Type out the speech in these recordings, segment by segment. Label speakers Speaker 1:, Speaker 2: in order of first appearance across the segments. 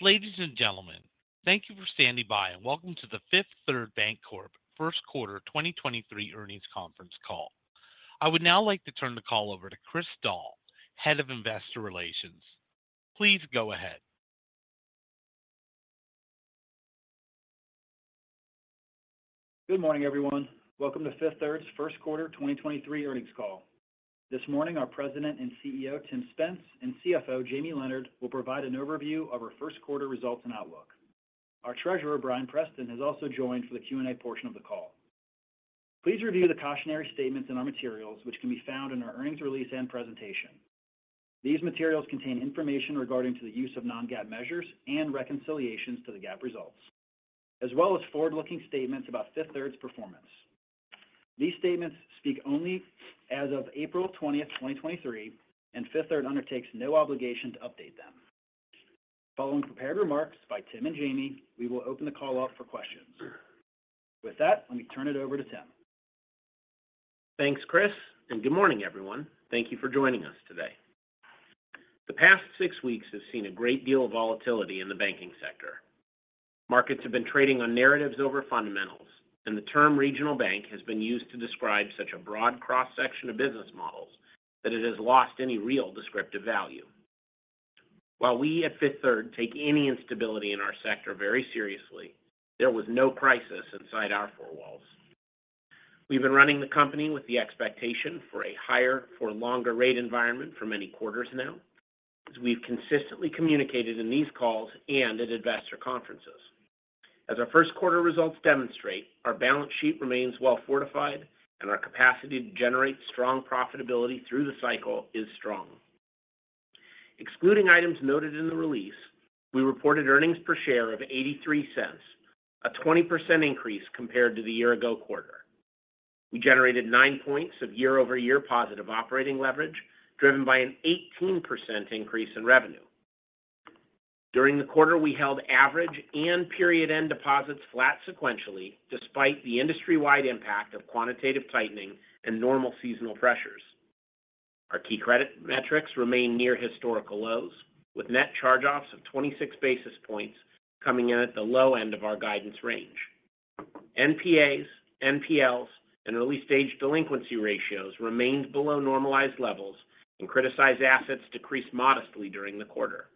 Speaker 1: Ladies and gentlemen, thank you for standing by and Welcome to the Fifth Third Bancorp first quarter 2023 earnings conference call. I would now like to turn the call over to Chris Doll, Head of Investor Relations. Please go ahead.
Speaker 2: Good morning, everyone. Welcome to Fifth Third's first quarter 2023 earnings call. This morning, our President and CEO, Tim Spence, and CFO, Jamie Leonard, will provide an overview of our first quarter results and outlook. Our Treasurer, Bryan Preston, has also joined for the Q&A portion of the call. Please review the cautionary statements in our materials which can be found in our earnings release and presentation. These materials contain information regarding to the use of non-GAAP measures and reconciliations to the GAAP results, as well as forward-looking statements about Fifth Third's performance. These statements speak only as of April 20th, 2023, and Fifth Third undertakes no obligation to update them. Following prepared remarks by Tim and Jamie, we will open the call up for questions. With that, let me turn it over to Tim.
Speaker 3: Thanks, Chris, and good morning, everyone. Thank you for joining us today. The past six weeks have seen a great deal of volatility in the banking sector. Markets have been trading on narratives over fundamentals, and the term regional bank has been used to describe such a broad cross-section of business models that it has lost any real descriptive value. While we at Fifth Third take any instability in our sector very seriously, there was no crisis inside our four walls. We've been running the company with the expectation for a higher for longer rate environment for many quarters now, as we've consistently communicated in these calls and at investor conferences. As our first quarter results demonstrate, our balance sheet remains well fortified and our capacity to generate strong profitability through the cycle is strong. Excluding items noted in the release, we reported earnings per share of $0.83, a 20% increase compared to the year-ago quarter. We generated 9 points of year-over-year positive operating leverage, driven by an 18% increase in revenue. During the quarter, we held average and period-end deposits flat sequentially despite the industry-wide impact of quantitative tightening and normal seasonal pressures. Our key credit metrics remain near historical lows, with net charge-offs of 26 basis points coming in at the low end of our guidance range. NPAs, NPLs, and early-stage delinquency ratios remained below normalized levels, and criticized assets decreased modestly during the quarter.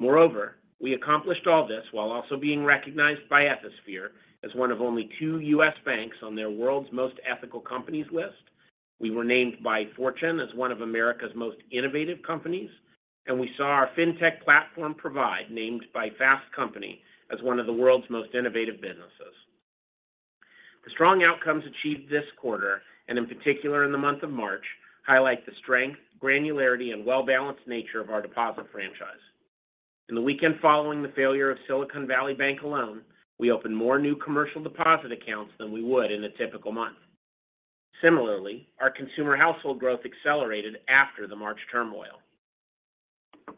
Speaker 3: Moreover, we accomplished all this while also being recognized by Ethisphere as one of only two US banks on their World's Most Ethical Companies list. We were named by Fortune as one of America's Most Innovative Companies, and we saw our fintech platform Provide named by Fast Company as one of the World's Most Innovative Businesses. The strong outcomes achieved this quarter, and in particular in the month of March, highlight the strength, granularity, and well-balanced nature of our deposit franchise. In the weekend following the failure of Silicon Valley Bank alone, we opened more new commercial deposit accounts than we would in a typical month. Similarly, our consumer household growth accelerated after the March turmoil.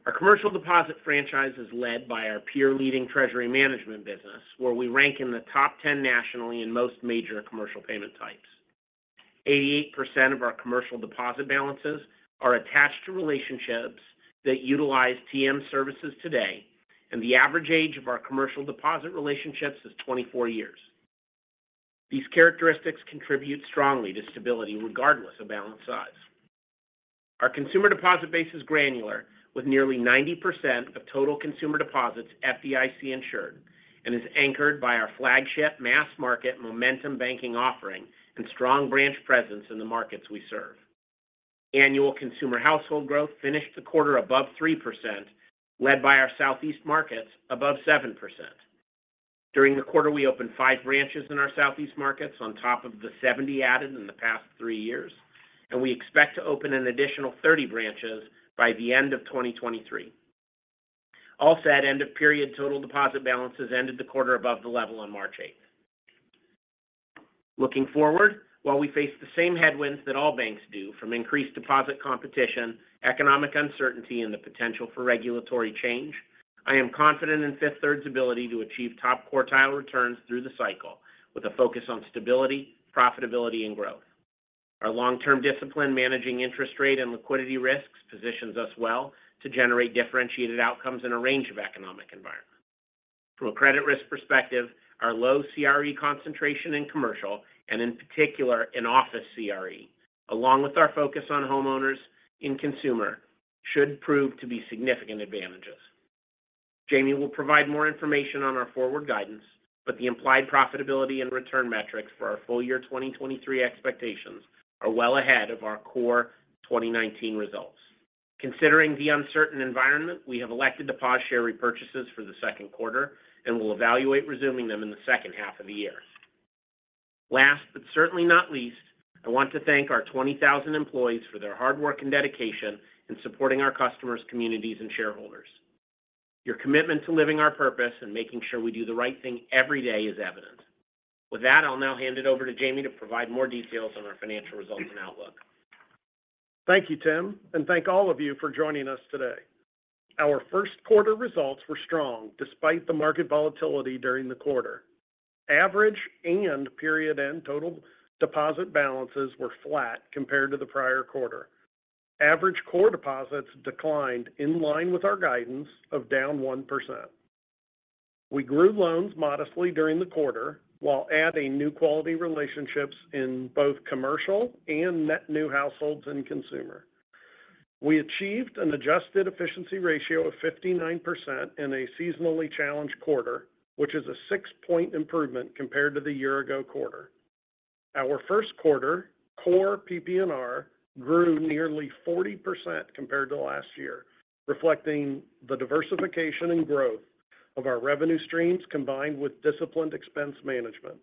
Speaker 3: Our commercial deposit franchise is led by our peer-leading treasury management business, where we rank in the top 10 nationally in most major commercial payment types. 88% of our commercial deposit balances are attached to relationships that utilize TM services today, and the average age of our commercial deposit relationships is 24 years. These characteristics contribute strongly to stability regardless of balance size. Our consumer deposit base is granular, with nearly 90% of total consumer deposits FDIC insured, and is anchored by our flagship mass-market Momentum Banking offering and strong branch presence in the markets we serve. Annual consumer household growth finished the quarter above 3%, led by our Southeast markets above 7%. During the quarter, we opened five branches in our Southeast markets on top of the 70 added in the past three years, and we expect to open an additional 30 branches by the end of 2023. All said end of period total deposit balances ended the quarter above the level on March eighth. Looking forward, while we face the same headwinds that all banks do from increased deposit competition, economic uncertainty, and the potential for regulatory change, I am confident in Fifth Third's ability to achieve top quartile returns through the cycle with a focus on stability, profitability, and growth. Our long-term discipline managing interest rate and liquidity risks positions us well to generate differentiated outcomes in a range of economic environments. From a credit risk perspective, our low CRE concentration in commercial, and in particular in office CRE, along with our focus on homeowners in consumer, should prove to be significant advantages. Jamie will provide more information on our forward guidance, but the implied profitability and return metrics for our full year 2023 expectations are well ahead of our core 2019 results. Considering the uncertain environment, we have elected to pause share repurchases for the second quarter and will evaluate resuming them in the second half of the year. Last but certainly not least, I want to thank our 20,000 employees for their hard work and dedication in supporting our customers, communities, and shareholders. Your commitment to living our purpose and making sure we do the right thing every day is evident. With that, I'll now hand it over to Jamie to provide more details on our financial results and outlook.
Speaker 4: Thank you, Tim. Thank all of you for joining us today. Our first quarter results were strong despite the market volatility during the quarter. Average period end total deposit balances were flat compared to the prior quarter. Average core deposits declined in line with our guidance of down 1%. We grew loans modestly during the quarter while adding new quality relationships in both commercial and net new households and consumer. We achieved an adjusted efficiency ratio of 59% in a seasonally challenged quarter, which is a 6-point improvement compared to the year-ago quarter. Our first quarter core PPNR grew nearly 40% compared to last year, reflecting the diversification and growth of our revenue streams combined with disciplined expense management.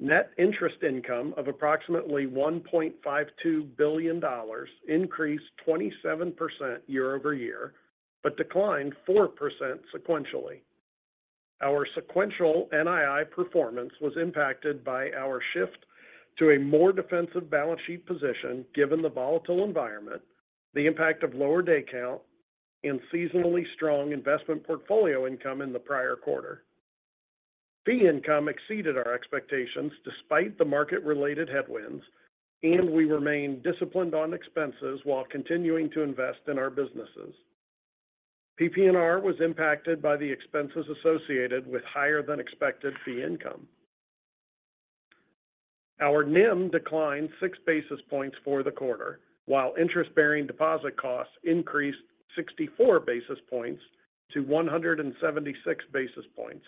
Speaker 4: Net interest income of approximately $1.52 billion increased 27% year-over-year, declined 4% sequentially. Our sequential NII performance was impacted by our shift to a more defensive balance sheet position given the volatile environment, the impact of lower day count, and seasonally strong investment portfolio income in the prior quarter. Fee income exceeded our expectations despite the market related headwinds. We remain disciplined on expenses while continuing to invest in our businesses. PPNR was impacted by the expenses associated with higher-than-expected fee income. Our NIM declined 6 basis points for the quarter, while interest-bearing deposit costs increased 64 basis points to 176 basis points,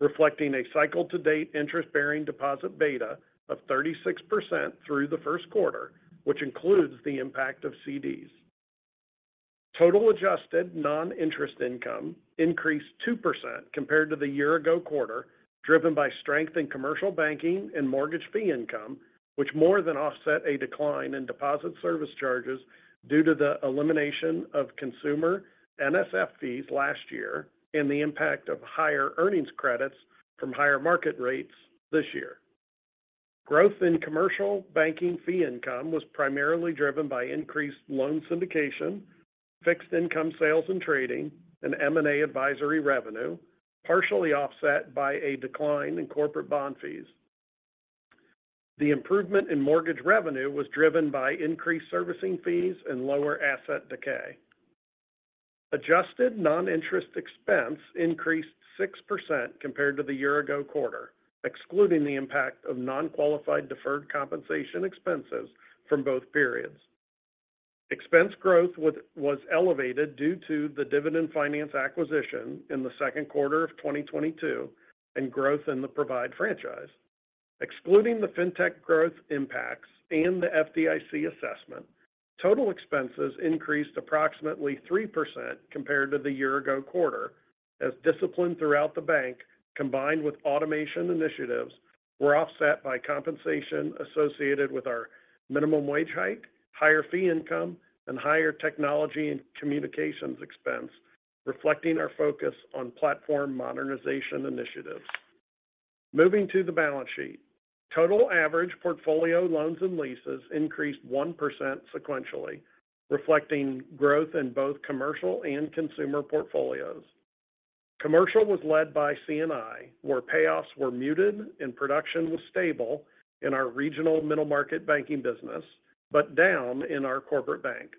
Speaker 4: reflecting a cycle to date interest-bearing deposit beta of 36% through the first quarter, which includes the impact of CDs. Total adjusted non-interest income increased 2% compared to the year ago quarter, driven by strength in commercial banking and mortgage fee income, which more than offset a decline in deposit service charges due to the elimination of consumer NSF fees last year and the impact of higher earnings credits from higher market rates this year. Growth in commercial banking fee income was primarily driven by increased loan syndication, fixed income sales and trading, and M&A advisory revenue, partially offset by a decline in corporate bond fees. The improvement in mortgage revenue was driven by increased servicing fees and lower asset decay. Adjusted non-interest expense increased 6% compared to the year ago quarter, excluding the impact of non-qualified deferred compensation expenses from both periods. Expense growth was elevated due to the Dividend Finance acquisition in the second quarter of 2022 and growth in the Provide franchise. Excluding the fintech growth impacts and the FDIC assessment, total expenses increased approximately 3% compared to the year ago quarter as discipline throughout the bank combined with automation initiatives were offset by compensation associated with our minimum wage hike, higher fee income, and higher technology and communications expense reflecting our focus on platform modernization initiatives. Moving to the balance sheet. Total average portfolio loans and leases increased 1% sequentially, reflecting growth in both commercial and consumer portfolios. Commercial was led by C&I, where payoffs were muted and production was stable in our regional middle market banking business, but down in our corporate bank.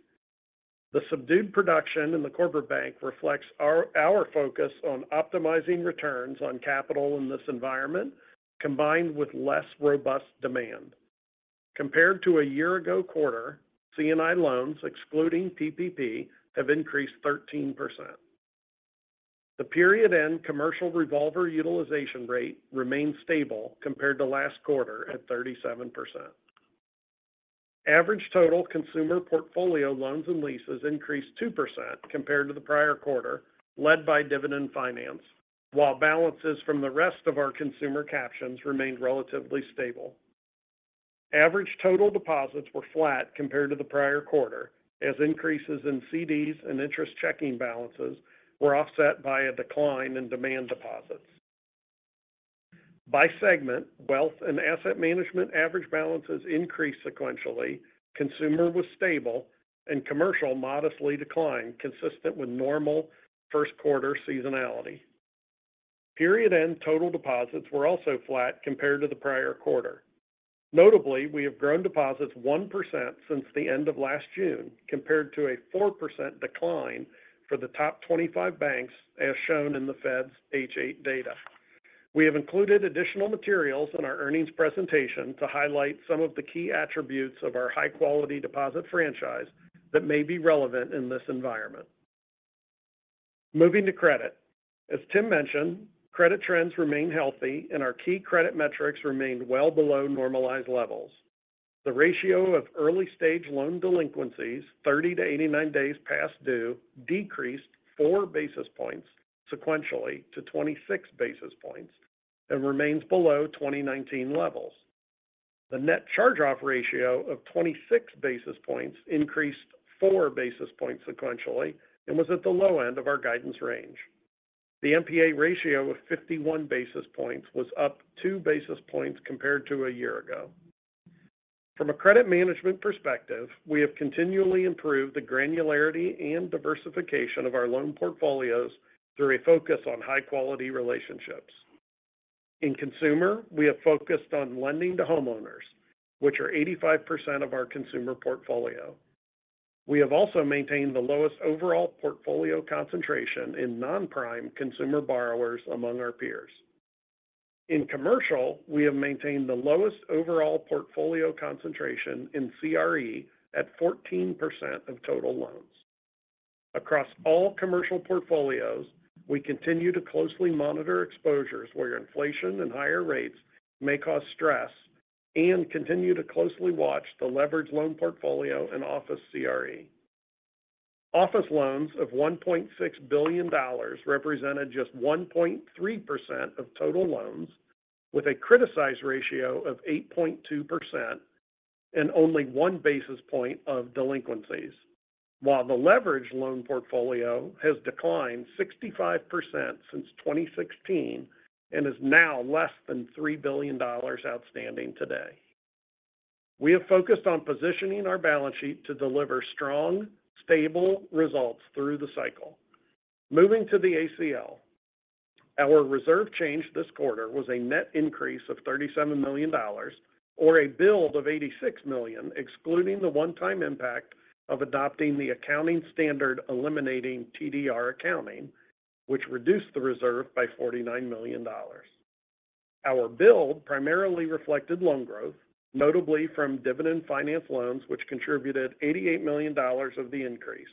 Speaker 4: The subdued production in the corporate bank reflects our focus on optimizing returns on capital in this environment combined with less robust demand. Compared to a year ago quarter, C&I loans, excluding PPP, have increased 13%. The period end commercial revolver utilization rate remains stable compared to last quarter at 37%. Average total consumer portfolio loans and leases increased 2% compared to the prior quarter, led by Dividend Finance, while balances from the rest of our consumer captions remained relatively stable. Average total deposits were flat compared to the prior quarter as increases in CDs and interest checking balances were offset by a decline in demand deposits. By segment, wealth and asset management average balances increased sequentially, consumer was stable, and commercial modestly declined consistent with normal first quarter seasonality. Period end total deposits were also flat compared to the prior quarter. Notably, we have grown deposits 1% since the end of last June, compared to a 4% decline for the top 25 banks as shown in the Fed's H8 data. We have included additional materials in our earnings presentation to highlight some of the key attributes of our high-quality deposit franchise that may be relevant in this environment. Moving to credit. As Tim mentioned, credit trends remain healthy and our key credit metrics remained well below normalized levels. The ratio of early-stage loan delinquencies 30 to 89 days past due decreased 4 basis points sequentially to 26 basis points and remains below 2019 levels. The net charge-off ratio of 26 basis points increased 4 basis points sequentially and was at the low end of our guidance range. The NPA ratio of 51 basis points was up 2 basis points compared to a year ago. From a credit management perspective, we have continually improved the granularity and diversification of our loan portfolios through a focus on high quality relationships. In consumer, we have focused on lending to homeowners, which are 85% of our consumer portfolio. We have also maintained the lowest overall portfolio concentration in non-prime consumer borrowers among our peers. In commercial, we have maintained the lowest overall portfolio concentration in CRE at 14% of total loans. Across all commercial portfolios, we continue to closely monitor exposures where inflation and higher rates may cause stress and continue to closely watch the leveraged loan portfolio and office CRE. Office loans of $1.6 billion represented just 1.3% of total loans with a criticized ratio of 8.2% and only 1 basis point of delinquencies. The leveraged loan portfolio has declined 65% since 2016 and is now less than $3 billion outstanding today. We have focused on positioning our balance sheet to deliver strong, stable results through the cycle. Moving to the ACL, our reserve change this quarter was a net increase of $37 million or a build of $86 million, excluding the one-time impact of adopting the accounting standard eliminating TDR accounting, which reduced the reserve by $49 million. Our build primarily reflected loan growth, notably from Dividend Finance loans, which contributed $88 million of the increase.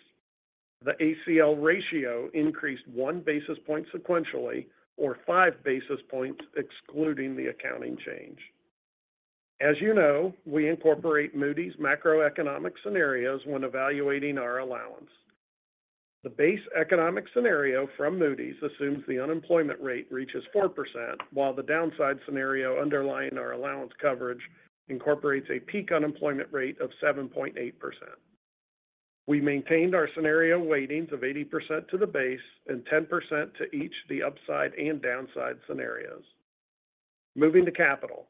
Speaker 4: The ACL ratio increased 1 basis point sequentially or 5 basis points excluding the accounting change. As you know, we incorporate Moody's macroeconomic scenarios when evaluating our allowance. The base economic scenario from Moody's assumes the unemployment rate reaches 4%, while the downside scenario underlying our allowance coverage incorporates a peak unemployment rate of 7.8%. We maintained our scenario weightings of 80% to the base and 10% to each the upside and downside scenarios. Moving to capital.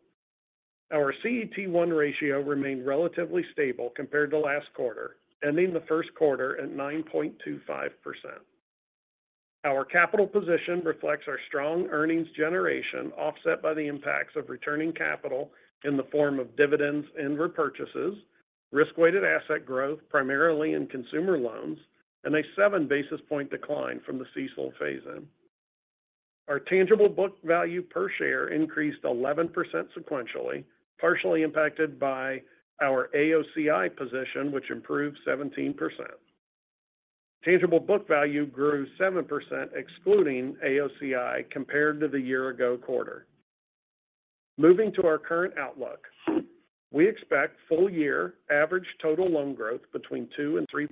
Speaker 4: Our CET1 ratio remained relatively stable compared to last quarter, ending the first quarter at 9.25%. Our capital position reflects our strong earnings generation offset by the impacts of returning capital in the form of dividends and repurchases, risk-weighted asset growth primarily in consumer loans, and a 7 basis point decline from the CECL phase-in. Our tangible book value per share increased 11% sequentially, partially impacted by our AOCI position, which improved 17%. Tangible book value grew 7% excluding AOCI compared to the year ago quarter. Moving to our current outlook, we expect full year average total loan growth between 2% and 3%,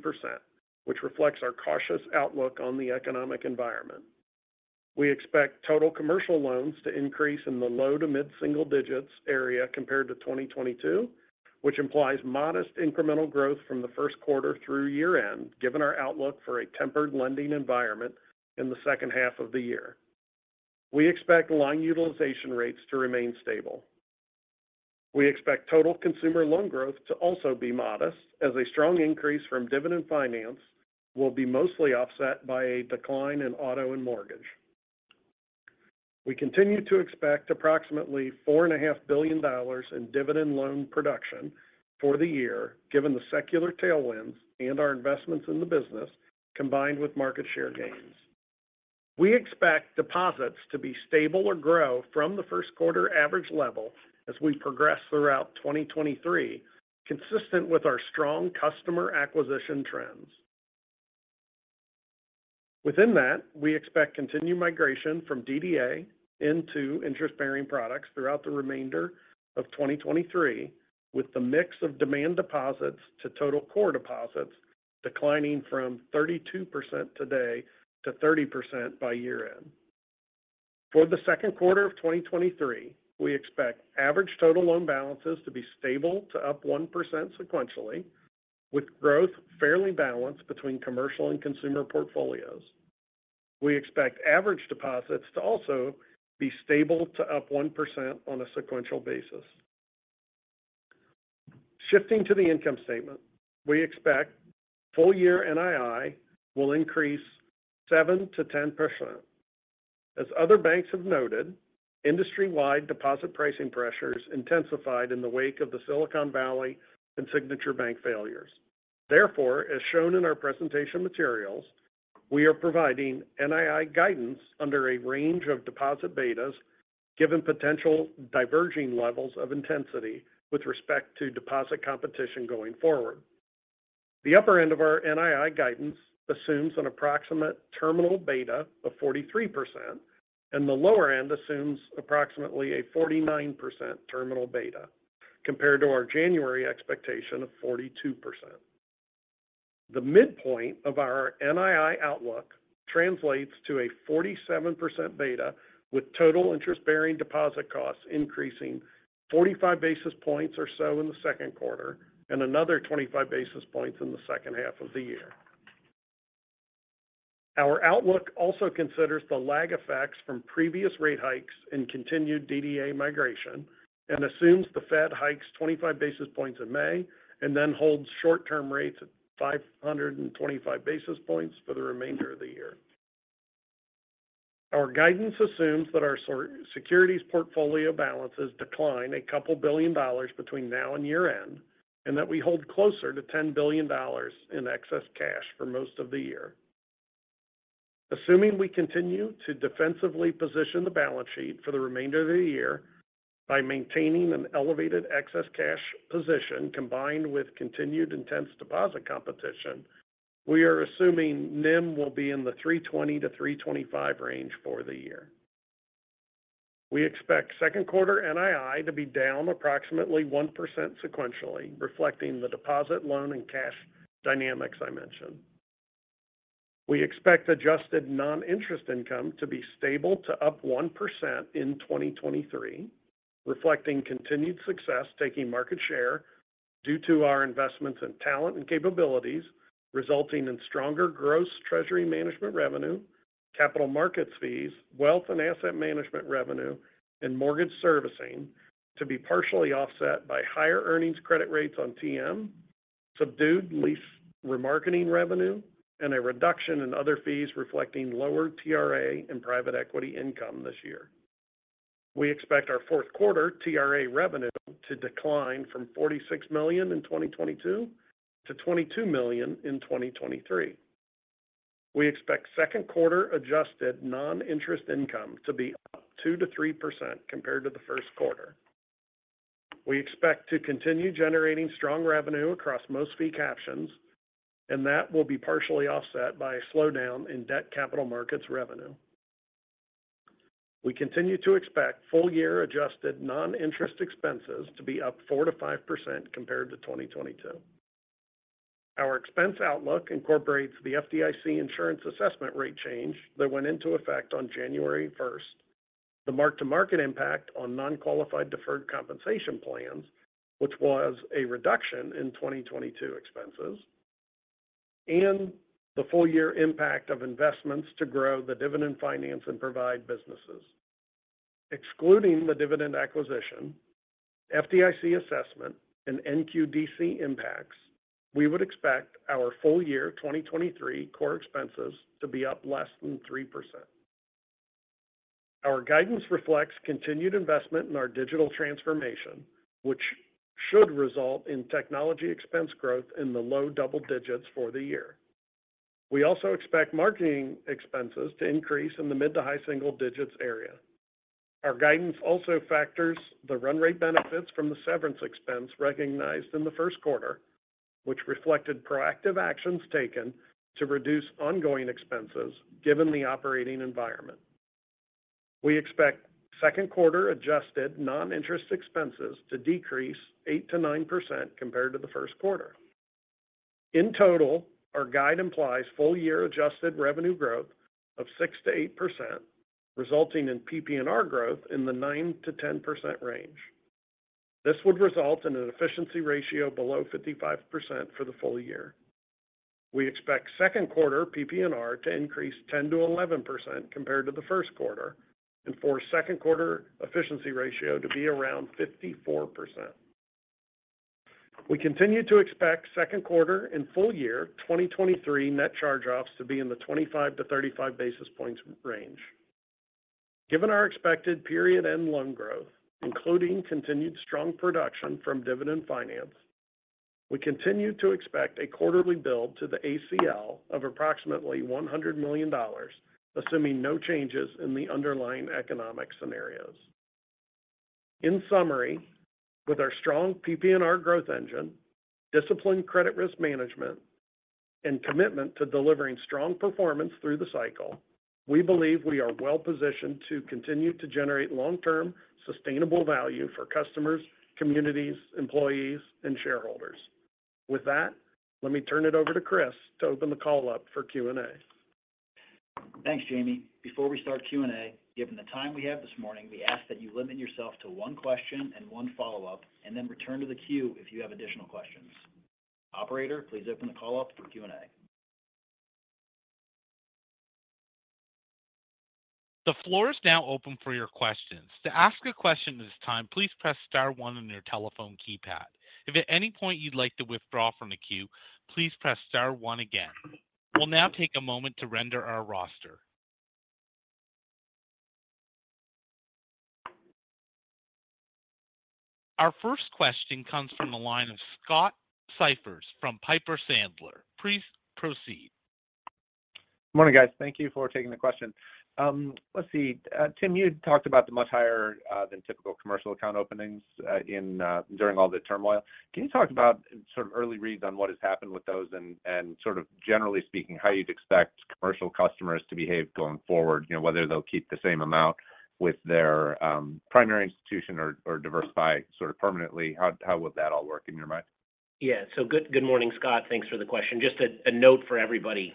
Speaker 4: which reflects our cautious outlook on the economic environment. We expect total commercial loans to increase in the low to mid-single digits area compared to 2022, which implies modest incremental growth from the first quarter through year-end, given our outlook for a tempered lending environment in the second half of the year. We expect loan utilization rates to remain stable. We expect total consumer loan growth to also be modest as a strong increase from Dividend Finance will be mostly offset by a decline in auto and mortgage. We continue to expect approximately four and a half billion dollars in Dividend loan production for the year, given the secular tailwinds and our investments in the business combined with market share gains. We expect deposits to be stable or grow from the first quarter average level as we progress throughout 2023, consistent with our strong customer acquisition trends. Within that, we expect continued migration from DDA into interest-bearing products throughout the remainder of 2023, with the mix of demand deposits to total core deposits declining from 32% today to 30% by year-end. For the second quarter of 2023, we expect average total loan balances to be stable to up 1% sequentially, with growth fairly balanced between commercial and consumer portfolios. We expect average deposits to also be stable to up 1% on a sequential basis. Shifting to the income statement, we expect full year NII will increase 7%-10%. As other banks have noted, industry-wide deposit pricing pressures intensified in the wake of the Silicon Valley and Signature Bank failures. As shown in our presentation materials, we are providing NII guidance under a range of deposit betas, given potential diverging levels of intensity with respect to deposit competition going forward. The upper end of our NII guidance assumes an approximate terminal beta of 43%, and the lower end assumes approximately a 49% terminal beta compared to our January expectation of 42%. The midpoint of our NII outlook translates to a 47% beta with total interest-bearing deposit costs increasing 45 basis points or so in the second quarter and another 25 basis points in the second half of the year. Our outlook also considers the lag effects from previous rate hikes and continued DDA migration and assumes the Fed hikes 25 basis points in May and then holds short-term rates at 525 basis points for the remainder of the year. Our guidance assumes that our securities portfolio balances decline a couple billion dollars between now and year-end, and that we hold closer to $10 billion in excess cash for most of the year. Assuming we continue to defensively position the balance sheet for the remainder of the year by maintaining an elevated excess cash position combined with continued intense deposit competition, we are assuming NIM will be in the 3.20%-3.25% range for the year. We expect second quarter NII to be down approximately 1% sequentially, reflecting the deposit loan and cash dynamics I mentioned. We expect adjusted non-interest income to be stable to up 1% in 2023, reflecting continued success taking market share due to our investments in talent and capabilities, resulting in stronger gross treasury management revenue, capital markets fees, wealth and asset management revenue, and mortgage servicing to be partially offset by higher earnings credit rates on TM, subdued lease remarketing revenue, and a reduction in other fees reflecting lower TRA and private equity income this year. We expect our fourth quarter TRA revenue to decline from $46 million in 2022 to $22 million in 2023. We expect second quarter adjusted non-interest income to be up 2%-3% compared to the first quarter. We expect to continue generating strong revenue across most fee captions. That will be partially offset by a slowdown in debt capital markets revenue. We continue to expect full year adjusted non-interest expenses to be up 4%-5% compared to 2022. Our expense outlook incorporates the FDIC insurance assessment rate change that went into effect on January 1st, the mark-to-market impact on non-qualified deferred compensation plans, which was a reduction in 2022 expenses, and the full year impact of investments to grow the Dividend Finance and Provide businesses. Excluding the Dividend acquisition, FDIC assessment and NQDC impacts, we would expect our full year 2023 core expenses to be up less than 3%. Our guidance reflects continued investment in our digital transformation, which should result in technology expense growth in the low double digits for the year. We also expect marketing expenses to increase in the mid to high single digits area. Our guidance also factors the run rate benefits from the severance expense recognized in the first quarter, which reflected proactive actions taken to reduce ongoing expenses given the operating environment. We expect second quarter adjusted non-interest expenses to decrease 8%-9% compared to the first quarter. In total, our guide implies full year adjusted revenue growth of 6%-8%, resulting in PPNR growth in the 9%-10% range. This would result in an efficiency ratio below 55% for the full year. We expect second quarter PPNR to increase 10%-11% compared to the first quarter, and for second quarter efficiency ratio to be around 54%. We continue to expect second quarter and full year 2023 net charge-offs to be in the 25-35 basis points range. Given our expected period and loan growth, including continued strong production from Dividend Finance, we continue to expect a quarterly build to the ACL of approximately $100 million, assuming no changes in the underlying economic scenarios. In summary, with our strong PPNR growth engine, disciplined credit risk management, and commitment to delivering strong performance through the cycle, we believe we are well positioned to continue to generate long-term sustainable value for customers, communities, employees and shareholders. With that, let me turn it over to Chris to open the call up for Q&A.
Speaker 2: Thanks, Jamie. Before we start Q&A, given the time we have this morning, we ask that you limit yourself to one question and one follow-up and then return to the queue if you have additional questions. Operator, please open the call up for Q&A.
Speaker 1: The floor is now open for your questions. To ask a question at this time, please press star one on your telephone keypad. If at any point you'd like to withdraw from the queue, please press star one again. We'll now take a moment to render our roster. Our first question comes from the line of Scott Siefers from Piper Sandler. Please proceed.
Speaker 5: Morning, guys. Thank you for taking the question. Let's see. Tim, you talked about the much higher, than typical commercial account openings, in during all the turmoil. Can you talk about sort of early reads on what has happened with those and sort of generally speaking, how you'd expect commercial customers to behave going forward, you know, whether they'll keep the same amount with their primary institution or diversify sort of permanently? How would that all work in your mind?
Speaker 3: Yeah. good morning, Scott. Thanks for the question. Just a note for everybody.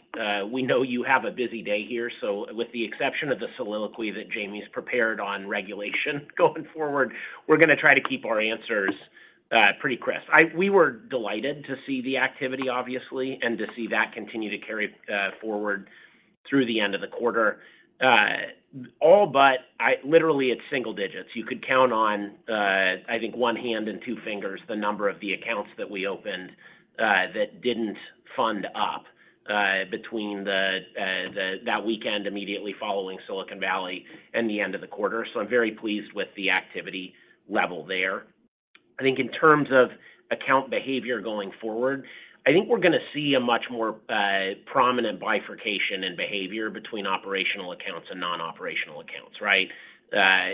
Speaker 3: We know you have a busy day here, so with the exception of the soliloquy that Jamie's prepared on regulation going forward, we're going to try to keep our answers Pretty crisp. We were delighted to see the activity, obviously, and to see that continue to carry forward through the end of the quarter. All but literally it's single digits. You could count on I think one hand and two fingers the number of the accounts that we opened that didn't fund up between the that weekend immediately following Silicon Valley and the end of the quarter. I'm very pleased with the activity level there. I think in terms of account behavior going forward, I think we're gonna see a much more prominent bifurcation in behavior between operational accounts and non-operational accounts, right?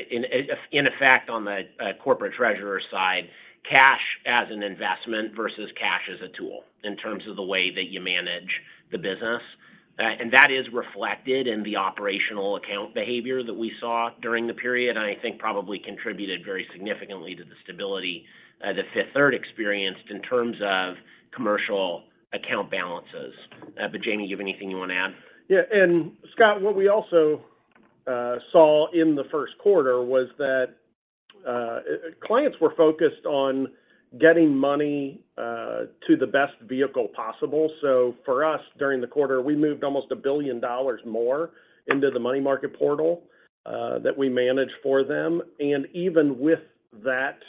Speaker 3: In effect on the corporate treasurer side, cash as an investment versus cash as a tool in terms of the way that you manage the business. That is reflected in the operational account behavior that we saw during the period. I think probably contributed very significantly to the stability that Fifth Third experienced in terms of commercial account balances. Jamie, you have anything you want to add.
Speaker 4: Yeah. Scott, what we also saw in the first quarter was that clients were focused on getting money to the best vehicle possible. For us during the quarter, we moved almost $1 billion more into the money market portal that we manage for them. Even with that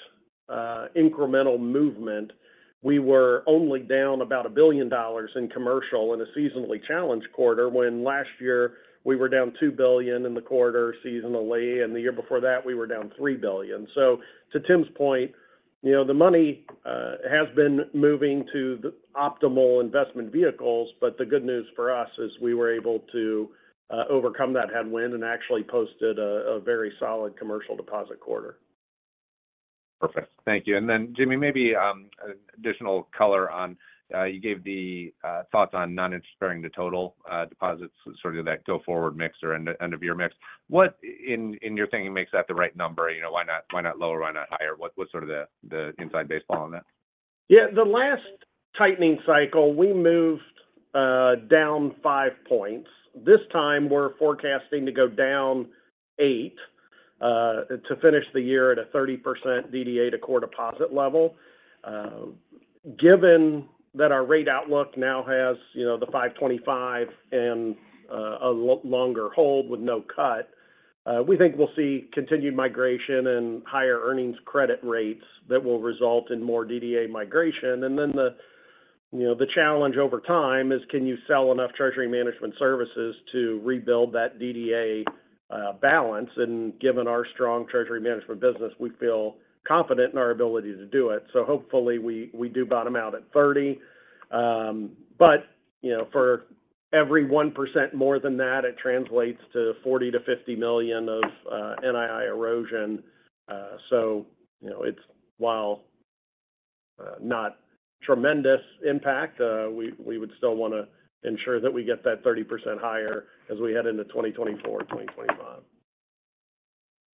Speaker 4: incremental movement, we were only down about $1 billion in commercial in a seasonally challenged quarter when last year we were down $2 billion in the quarter seasonally, and the year before that, we were down $3 billion. To Tim's point, you know, the money has been moving to the optimal investment vehicles, but the good news for us is we were able to overcome that headwind and actually posted a very solid commercial deposit quarter.
Speaker 5: Perfect. Thank you. Then Jamie, maybe additional color on, you gave the thoughts on non-interest bearing the total deposits, sort of that go forward mix or end of year mix. What in your thinking makes that the right number? You know, why not, why not lower, why not higher? What's sort of the inside baseball on that?
Speaker 4: The last tightening cycle, we moved down 5 points. This time we're forecasting to go down eight to finish the year at a 30% DDA to core deposit level. Given that our rate outlook now has, you know, the 5.25 and a longer hold with no cut, we think we'll see continued migration and higher earnings credit rates that will result in more DDA migration. The, you know, the challenge over time is can you sell enough treasury management services to rebuild that DDA balance? Given our strong treasury management business, we feel confident in our ability to do it. Hopefully we do bottom out at 30. You know, for every 1% more than that, it translates to $40 million-$50 million of NII erosion. you know, it's while not tremendous impact, we would still wanna ensure that we get that 30% higher as we head into 2024 and 2025.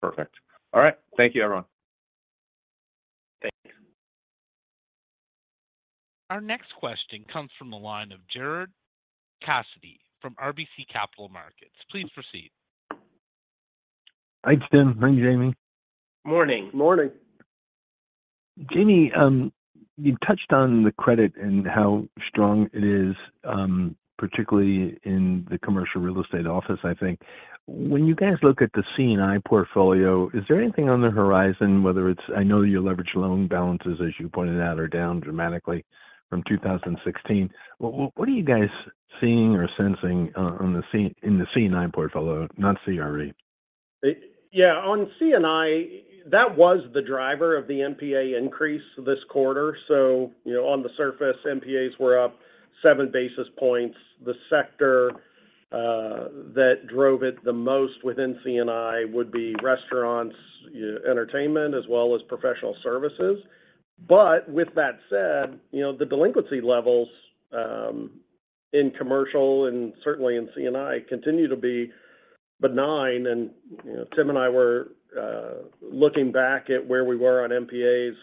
Speaker 5: Perfect. All right. Thank you everyone.
Speaker 3: Thanks.
Speaker 1: Our next question comes from the line of Gerard Cassidy from RBC Capital Markets. Please proceed.
Speaker 6: Hi, Tim. Morning, Jamie.
Speaker 3: Morning.
Speaker 4: Morning.
Speaker 6: Jamie, you touched on the credit and how strong it is, particularly in the commercial real estate office, I think. When you guys look at the C&I portfolio, is there anything on the horizon? I know your leverage loan balances, as you pointed out, are down dramatically from 2016. What are you guys seeing or sensing in the C&I portfolio, not CRE?
Speaker 4: Yeah. On C&I, that was the driver of the NPA increase this quarter. You know, on the surface, NPAs were up 7 basis points. The sector that drove it the most within C&I would be restaurants, entertainment, as well as professional services. With that said, you know, the delinquency levels in commercial and certainly in C&I continue to be benign. You know, Tim and I were looking back at where we were on NPAs.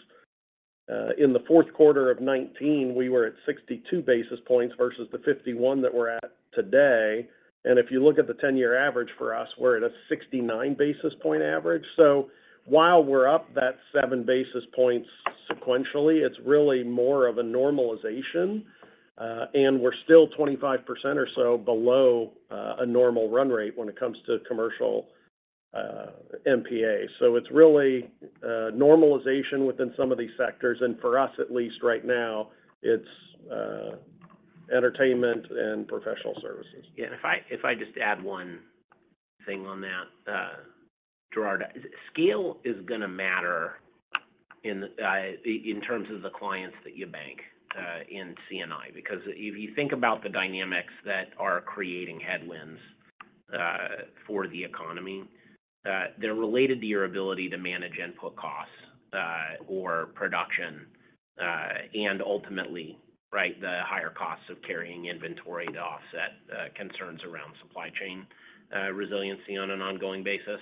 Speaker 4: In the fourth quarter of 2019, we were at 62 basis points versus the 51 that we're at today. If you look at the 10-year average for us, we're at a 69-basis point average. While we're up that 7 basis points sequentially, it's really more of a normalization. We're still 25% or so below, a normal run rate when it comes to commercial, NPA. It's really, normalization within some of these sectors. For us, at least right now, it's, entertainment and professional services.
Speaker 3: Yeah. If I, if I just add one thing on that, Gerard. Scale is gonna matter in terms of the clients that you bank in C&I. If you think about the dynamics that are creating headwinds for the economy, they're related to your ability to manage input costs or production, and ultimately, right, the higher costs of carrying inventory to offset concerns around supply chain resiliency on an ongoing basis.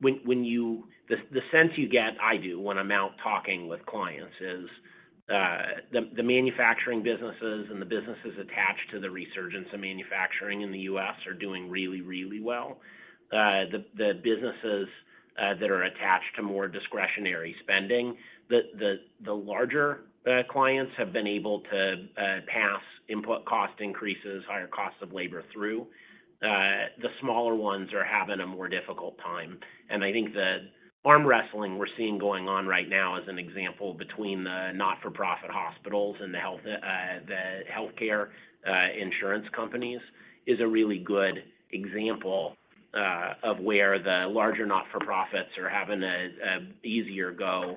Speaker 3: When you the sense you get, I do, when I'm out talking with clients, the manufacturing businesses and the businesses attached to the resurgence of manufacturing in the US are doing really, really well. The businesses that are attached to more discretionary spending, the larger clients have been able to pass input cost increases, higher costs of labor through. The smaller ones are having a more difficult time. I think the arm wrestling we're seeing going on right now is an example between the not-for-profit hospitals and the healthcare insurance companies is a really good example of where the larger not-for-profits are having a easier go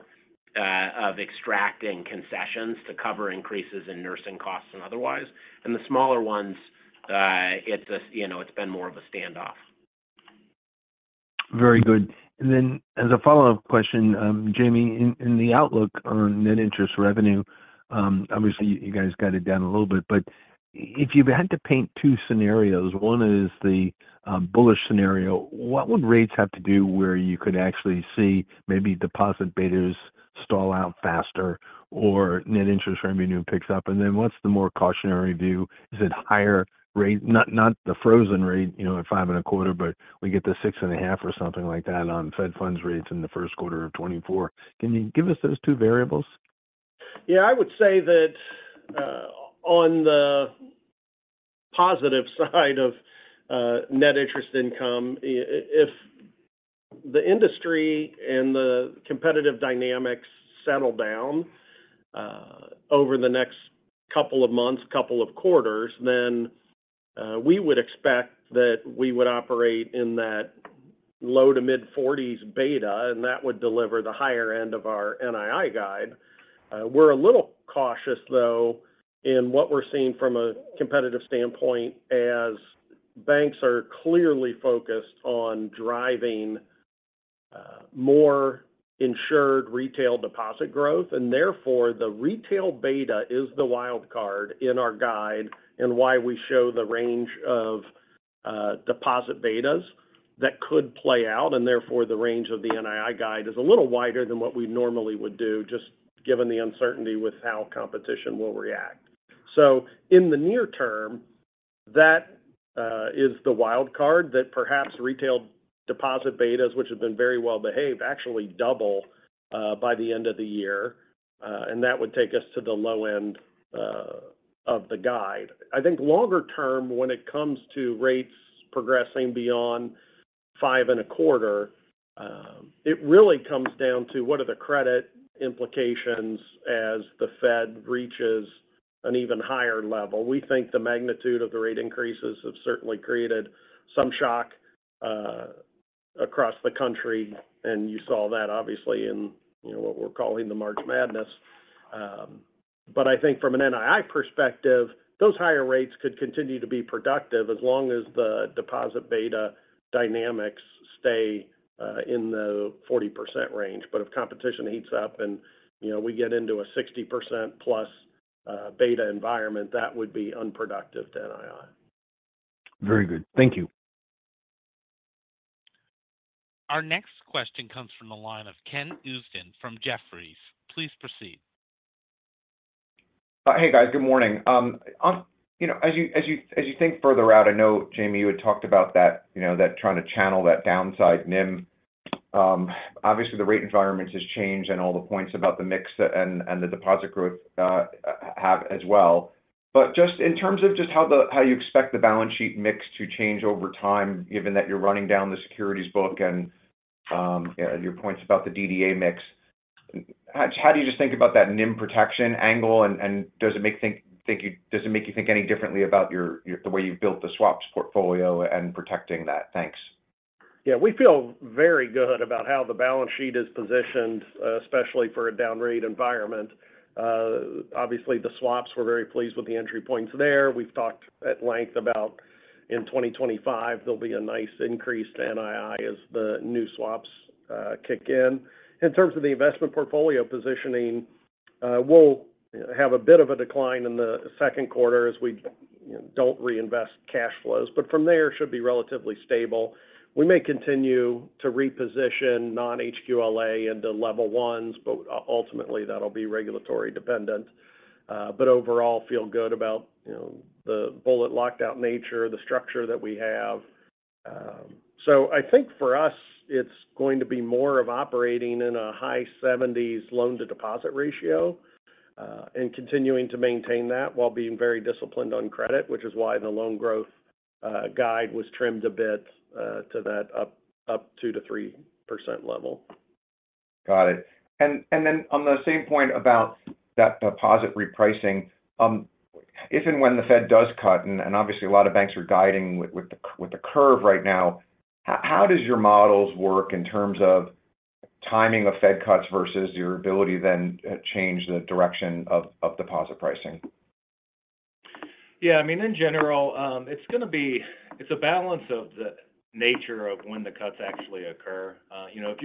Speaker 3: of extracting concessions to cover increases in nursing costs and otherwise. The smaller ones, you know, it's been more of a standoff.
Speaker 6: Very good. As a follow-up question, Jamie, in the outlook on net interest revenue, obviously you guys got it down a little bit. If you had to paint two scenarios, one is the bullish scenario, what would rates have to do where you could actually see maybe deposit betas stall out faster or net interest revenue picks up? What's the more cautionary view? Is it higher rate not the frozen rate, you know, at five and a quarter, but we get the 6 and a half or something like that on Fed funds rates in the first quarter of 2024. Can you give us those two variables?
Speaker 4: Yeah. I would say that on the positive side of net interest income, if the industry and the competitive dynamics settle down over the next couple of months, couple of quarters, then we would expect that we would operate in that low to mid-forties beta, and that would deliver the higher end of our NII guide. We're a little cautious, though, in what we're seeing from a competitive standpoint as banks are clearly focused on driving more insured retail deposit growth. Therefore, the retail beta is the wild card in our guide and why we show the range of deposit betas that could play out. Therefore, the range of the NII guide is a little wider than what we normally would do, just given the uncertainty with how competition will react. In the near term, that is the wild card that perhaps retail deposit betas, which have been very well-behaved, actually double by the end of the year. That would take us to the low end of the guide. I think longer term, when it comes to rates progressing beyond five in a quarter it really comes down to what are the credit implications as the Fed reaches an even higher level. We think the magnitude of the rate increases have certainly created some shock across the country, and you saw that obviously in, you know, what we're calling the March Madness. I think from an NII perspective, those higher rates could continue to be productive as long as the deposit beta dynamics stay in the 40% range. If competition heats up and, you know, we get into a 60%+ beta environment, that would be unproductive to NII.
Speaker 6: Very good. Thank you.
Speaker 1: Our next question comes from the line of Ken Usdin from Jefferies. Please proceed.
Speaker 7: Hey, guys. Good morning. you know, as you think further out, I know, Jamie, you had talked about that, you know, that trying to channel that downside NIM. obviously, the rate environment has changed and all the points about the mix and the deposit growth have as well. Just in terms of how you expect the balance sheet mix to change over time, given that you're running down the securities book and your points about the DDA mix, how do you just think about that NIM protection angle? Does it make you think any differently about you're the way you've built the swaps portfolio and protecting that? Thanks.
Speaker 4: Yeah. We feel very good about how the balance sheet is positioned, especially for a down rate environment. Obviously, the swaps, we're very pleased with the entry points there. We've talked at length about in 2025 there'll be a nice increase to NII as the new swaps kick in. In terms of the investment portfolio positioning, we'll have a bit of a decline in the second quarter as we, you know, don't reinvest cash flows. From there should be relatively stable. We may continue to reposition non-HQLA into level ones, but ultimately that'll be regulatory dependent. Overall feel good about, you know, the bullet locked out nature, the structure that we have. I think for us it's going to be more of operating in a high 70s loan-to-deposit ratio and continuing to maintain that while being very disciplined on credit, which is why the loan growth guide was trimmed a bit, to that up 2%-3% level.
Speaker 7: Got it. Then on the same point about that deposit repricing, if and when the Fed does cut, and obviously a lot of banks are guiding with the curve right now, how does your models work in terms of timing of Fed cuts versus your ability then, change the direction of deposit pricing?
Speaker 4: Yeah. I mean, in general, it's a balance of the nature of when the cuts actually occur. You know, if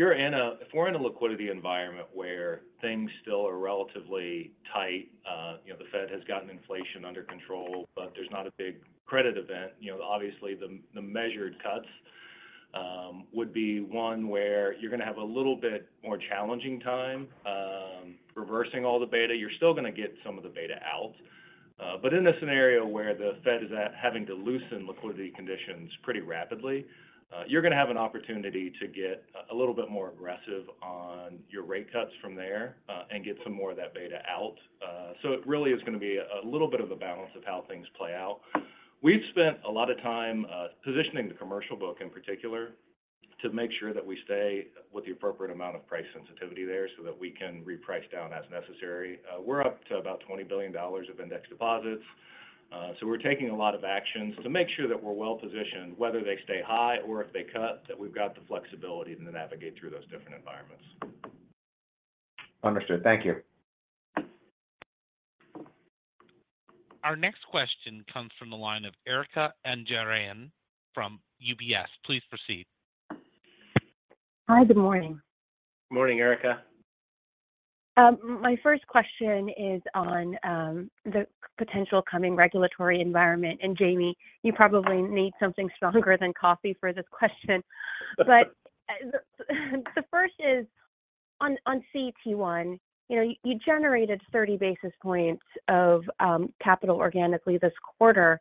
Speaker 4: we're in a liquidity environment where things still are relatively tight, The Fed has gotten inflation under control, but there's not a big credit event. You know, obviously the measured cuts, would be one where you're gonna have a little bit more challenging time, reversing all the beta. You're still gonna get some of the beta out. In the scenario where the Fed is at having to loosen liquidity conditions pretty rapidly, you're gonna have an opportunity to get a little bit more aggressive on your rate cuts from there and get some more of that beta out. It really is gonna be a little bit of a balance of how things play out. We've spent a lot of time positioning the commercial book in particular to make sure that we stay with the appropriate amount of price sensitivity there so that we can reprice down as necessary. We're up to about $20 billions of index deposits. We're taking a lot of actions to make sure that we're well-positioned, whether they stay high or if they cut, that we've got the flexibility to navigate through those different environments.
Speaker 3: Understood. Thank you.
Speaker 1: Our next question comes from the line of Erika Najarian from UBS. Please proceed.
Speaker 8: Hi. Good morning.
Speaker 3: Morning, Erika.
Speaker 8: My first question is on the potential coming regulatory environment. Jamie, you probably need something stronger than coffee for this question. The first is on CET1. You generated 30 basis points of capital organically this quarter.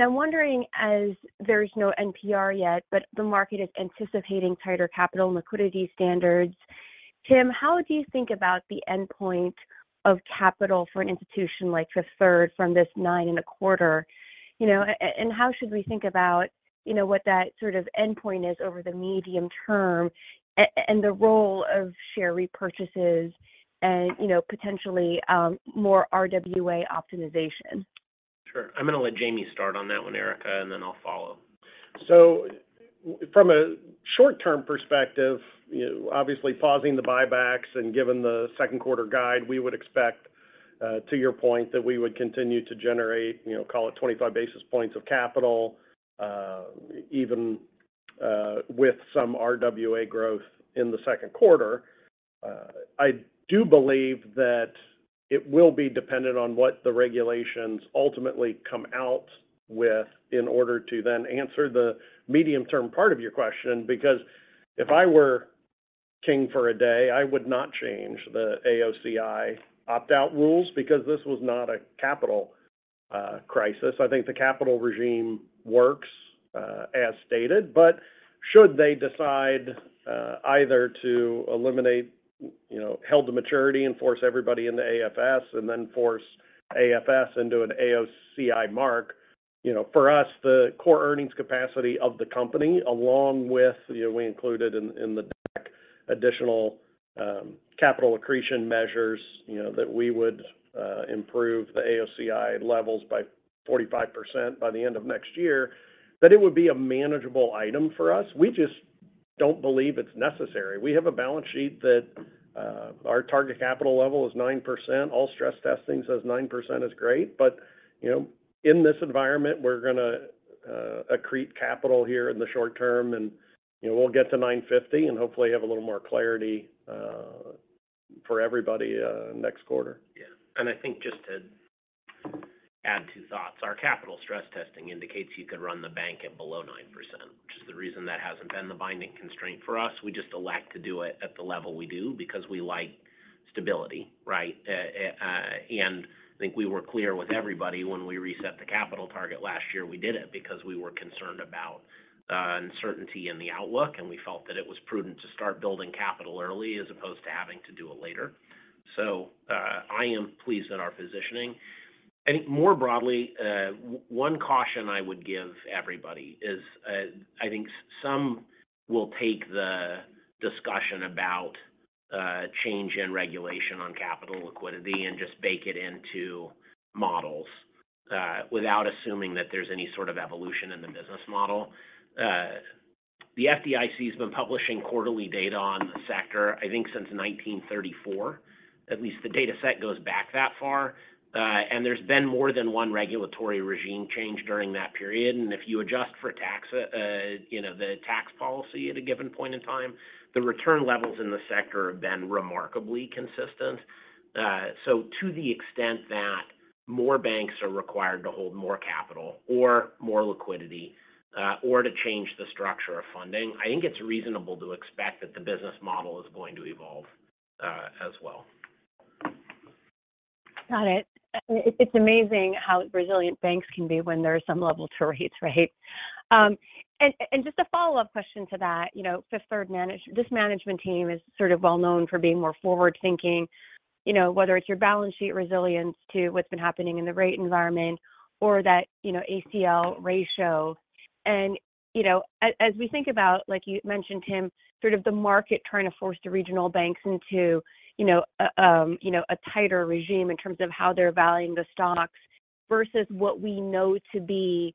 Speaker 8: I'm wondering, as there is no NPR yet, but the market is anticipating tighter capital and liquidity standards, Tim, how do you think about the endpoint of capital for an institution like Fifth Third from this nine and a quarter? How should we think about what that sort of endpoint is over the medium term and the role of share repurchases and potentially more RWA optimization?
Speaker 3: Sure. I'm gonna let Jamie start on that one, Erika, and then I'll follow.
Speaker 4: From a short-term perspective, you know, obviously pausing the buybacks and given the second quarter guide, we would expect, to your point that we would continue to generate, you know, call it 25 basis points of capital, even with some RWA growth in the second quarter. I do believe that it will be dependent on what the regulations ultimately come out with in order to then answer the medium-term part of your question. Because if I were king for a day, I would not change the AOCI opt-out rules because this was not a capital crisis. I think the capital regime works, as stated. Should they decide, either to eliminate, you know, held to maturity and force everybody in the AFS and then force AFS into an AOCI mark, you know, for us, the core earnings capacity of the company along with, you know, we included in the deck additional, capital accretion measures, you know, that we would, improve the AOCI levels by 45% by the end of next year, that it would be a manageable item for us. We just don't believe it's necessary. We have a balance sheet that, our target capital level is 9%. All stress testing says 9% is great. You know, in this environment, we're going to accrete capital here in the short term and, you know, we'll get to 9.50% and hopefully have a little more clarity, for everybody, next quarter.
Speaker 3: Yeah. I think just to add two thoughts. Our capital stress testing indicates you could run the bank at below 9%, which is the reason that hasn't been the binding constraint for us. We just elect to do it at the level we do because we like stability, right? I think we were clear with everybody when we reset the capital target last year. We did it because we were concerned about uncertainty in the outlook, and we felt that it was prudent to start building capital early as opposed to having to do it later. I am pleased in our positioning. I think more broadly, one caution I would give everybody is, I think some will take the discussion about change in regulation on capital liquidity and just bake it into models, without assuming that there's any sort of evolution in the business model. The FDIC has been publishing quarterly data on the sector, I think since 1934. At least the data set goes back that far. There's been more than one regulatory regime change during that period. If you adjust for tax, you know, the tax policy at a given point in time, the return levels in the sector have been remarkably consistent. To the extent that more banks are required to hold more capital or more liquidity, or to change the structure of funding, I think it's reasonable to expect that the business model is going to evolve as well.
Speaker 8: Got it. It's amazing how resilient banks can be when there are some levels to rates, right? Just a follow-up question to that. You know, Fifth Third this management team is sort of well known for being more forward-thinking, you know, whether it's your balance sheet resilience to what's been happening in the rate environment or that, you know, ACL ratio. You know, as we think about, like you mentioned, Tim, sort of the market trying to force the regional banks into, you know, a tighter regime in terms of how they're valuing the stocks versus what we know to be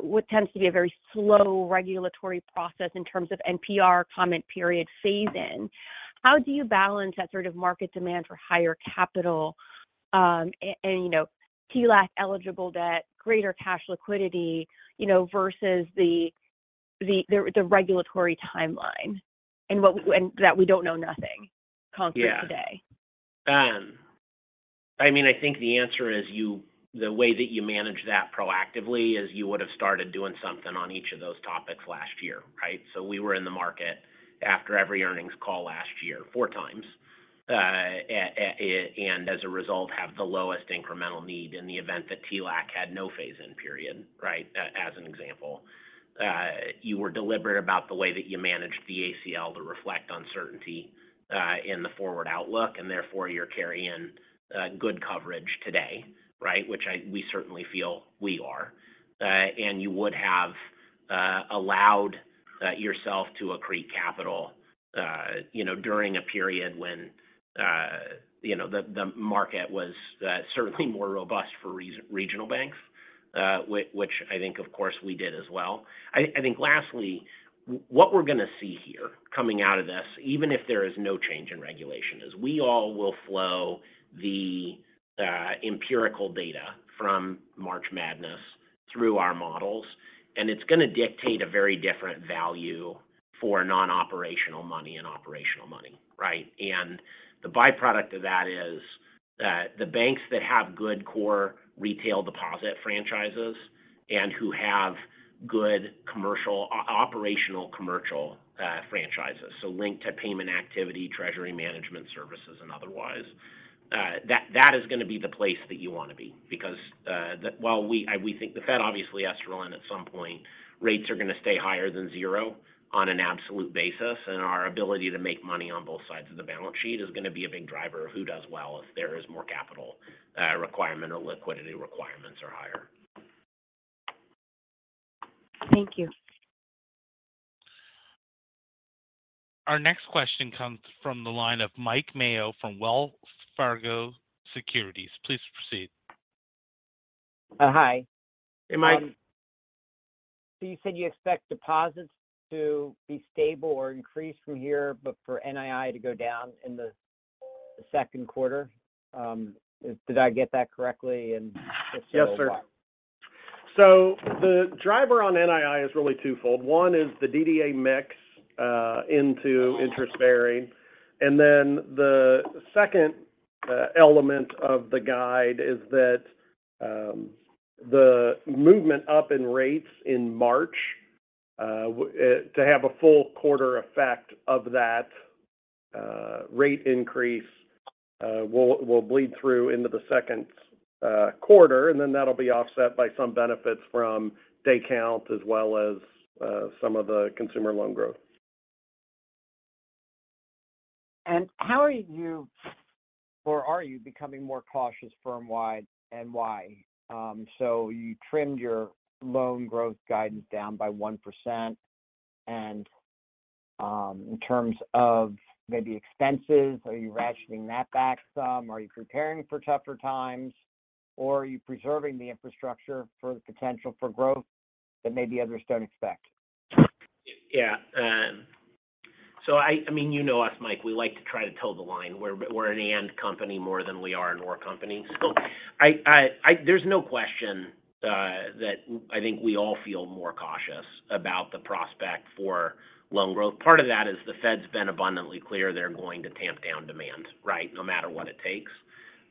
Speaker 8: what tends to be a very slow regulatory process in terms of NPR comment period phase in. How do you balance that sort of market demand for higher capital, and, you know, TLAC-eligible debt, greater cash liquidity, you know, versus the regulatory timeline and what we, and that we don't know nothing...
Speaker 3: Yeah...
Speaker 8: concrete today.
Speaker 3: I mean, I think the answer is the way that you manage that proactively is you would have started doing something on each of those topics last year, right? We were in the market after every earnings call last year four times. As a result, have the lowest incremental need in the event that TLAC had no phase-in period, right, as an example. You were deliberate about the way that you managed the ACL to reflect uncertainty in the forward outlook, and therefore you're carrying good coverage today, right? Which we certainly feel we are. You would have allowed yourself to accrete capital, you know, during a period when, you know, the market was certainly more robust for regional banks. Which I think, of course, we did as well. I think lastly, what we're going to see here coming out of this, even if there is no change in regulation, is we all will flow the empirical data from March Madness through our models, and it's going to dictate a very different value for non-operational money and operational money, right? The byproduct of that is that the banks that have good core retail deposit franchises and who have good commercial operational commercial franchises, so linked to payment activity, treasury management services, and otherwise. That is going to be the place that you want to be because, while we think the Fed obviously has to roll in at some point, rates are going to stay higher than 0 on an absolute basis, and our ability to make money on both sides of the balance sheet is going to be a big driver of who does well if there is more capital, requirement or liquidity requirements are higher.
Speaker 8: Thank you.
Speaker 1: Our next question comes from the line of Mike Mayo from Wells Fargo Securities. Please proceed.
Speaker 9: Hi.
Speaker 3: Hey, Mike.
Speaker 9: You said you expect deposits to be stable or increase from here, but for NII to go down in the second quarter. Did I get that correctly? If so-
Speaker 3: Yes, sir.
Speaker 9: why?
Speaker 3: The driver on NII is really twofold. One is the DDA mix into interest bearing. The second element of the guide is that the movement up in rates in March to have a full quarter effect of that rate increase will bleed through into the second quarter, and then that'll be offset by some benefits from day count as well as some of the consumer loan growth.
Speaker 9: Are you becoming more cautious firm-wide and why? You trimmed your loan growth guidance down by 1%. In terms of maybe expenses, are you rationing that back some? Are you preparing for tougher times? Are you preserving the infrastructure for the potential for growth that maybe others don't expect?
Speaker 3: I mean, you know us, Mike. We like to try to toe the line. We're, we're an and company more than we are an or company. There's no question that I think we all feel more cautious about the prospect for loan growth. Part of that is the Fed's been abundantly clear they're going to tamp down demand, right? No matter what it takes.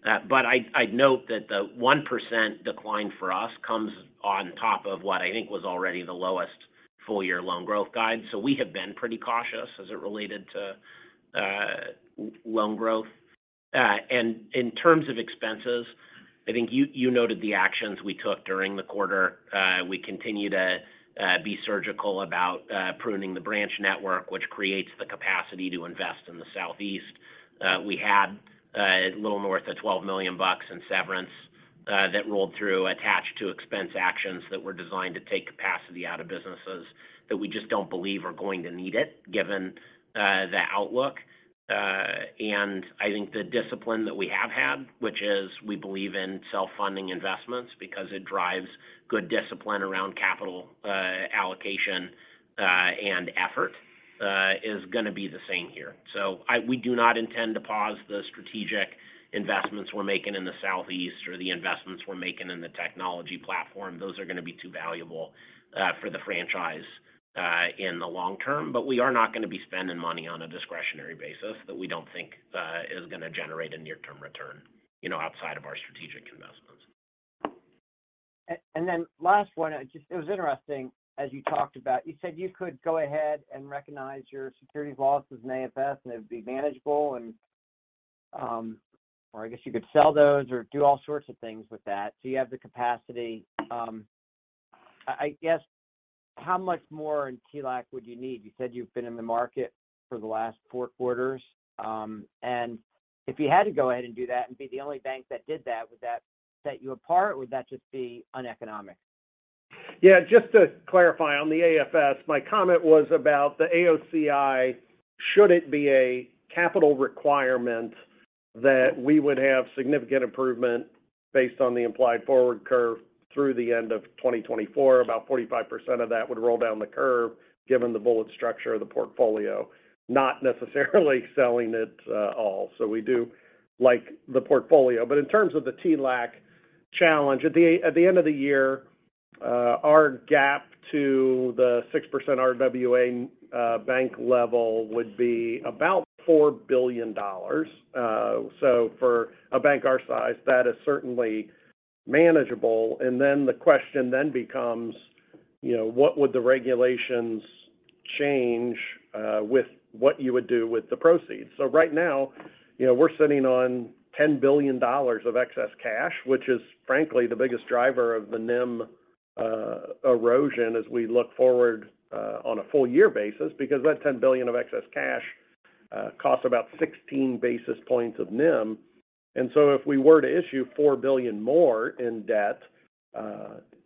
Speaker 3: But I'd note that the 1% decline for us comes on top of what I think was already the lowest full-year loan growth guide. We have been pretty cautious as it related to loan growth. And in terms of expenses, I think you noted the actions we took during the quarter. We continue to be surgical about pruning the branch network, which creates the capacity to invest in the Southeast. We had a little north of $12 million in severance that rolled through attached to expense actions that were designed to take capacity out of businesses that we just don't believe are going to need it given the outlook. I think the discipline that we have had, which is we believe in self-funding investments because it drives good discipline around capital allocation and effort, is going to be the same here. We do not intend to pause the strategic investments we're making in the Southeast or the investments we're making in the technology platform. Those are going to be too valuable for the franchise in the long term. We are not going to be spending money on a discretionary basis that we don't think is going to generate a near-term return, you know, outside of our strategic investments.
Speaker 9: Last one, just it was interesting as you talked about, you said you could go ahead and recognize your securities losses in AFS and it would be manageable and, or I guess you could sell those or do all sorts of things with that. You have the capacity. I guess how much more in TLAC would you need? You said you've been in the market for the last four quarters. If you had to go ahead and do that and be the only bank that did that, would that set you apart or would that just be uneconomic?
Speaker 4: Yeah. Just to clarify on the AFS, my comment was about the AOCI should it be a capital requirement that we would have significant improvement based on the implied forward curve through the end of 2024. About 45% of that would roll down the curve given the bullet structure of the portfolio, not necessarily selling it all. We do like the portfolio. In terms of the TLAC- Challenge. At the end of the year, our gap to the 6% RWA bank level would be about $4 billion. For a bank our size, that is certainly manageable. The question then becomes, you know, what would the regulations change with what you would do with the proceeds? Right now, you know, we're sitting on $10 billion of excess cash, which is frankly the biggest driver of the NIM erosion as we look forward on a full year basis because that $10 billion of excess cash costs about 16 basis points of NIM. If we were to issue $4 billion more in debt,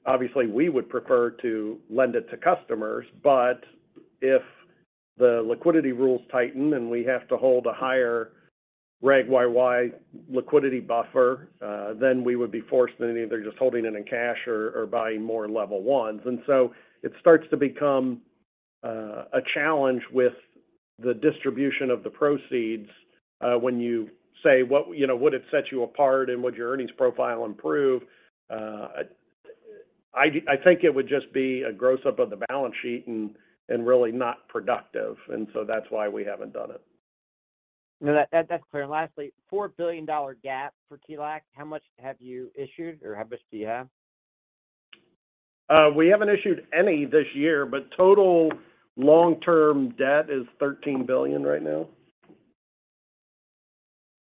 Speaker 4: obviously we would prefer to lend it to customers. If the liquidity rules tighten and we have to hold a higher Regulation YY liquidity buffer, then we would be forced into either just holding it in cash or buying more level ones. It starts to become a challenge with the distribution of the proceeds, when you say you know, would it set you apart and would your earnings profile improve? I think it would just be a gross up of the balance sheet and really not productive. That's why we haven't done it.
Speaker 9: No, that's clear. Lastly, $4 billion gap for TLAC. How much have you issued or how much do you have?
Speaker 4: We haven't issued any this year, but total long-term debt is $13 billion right now.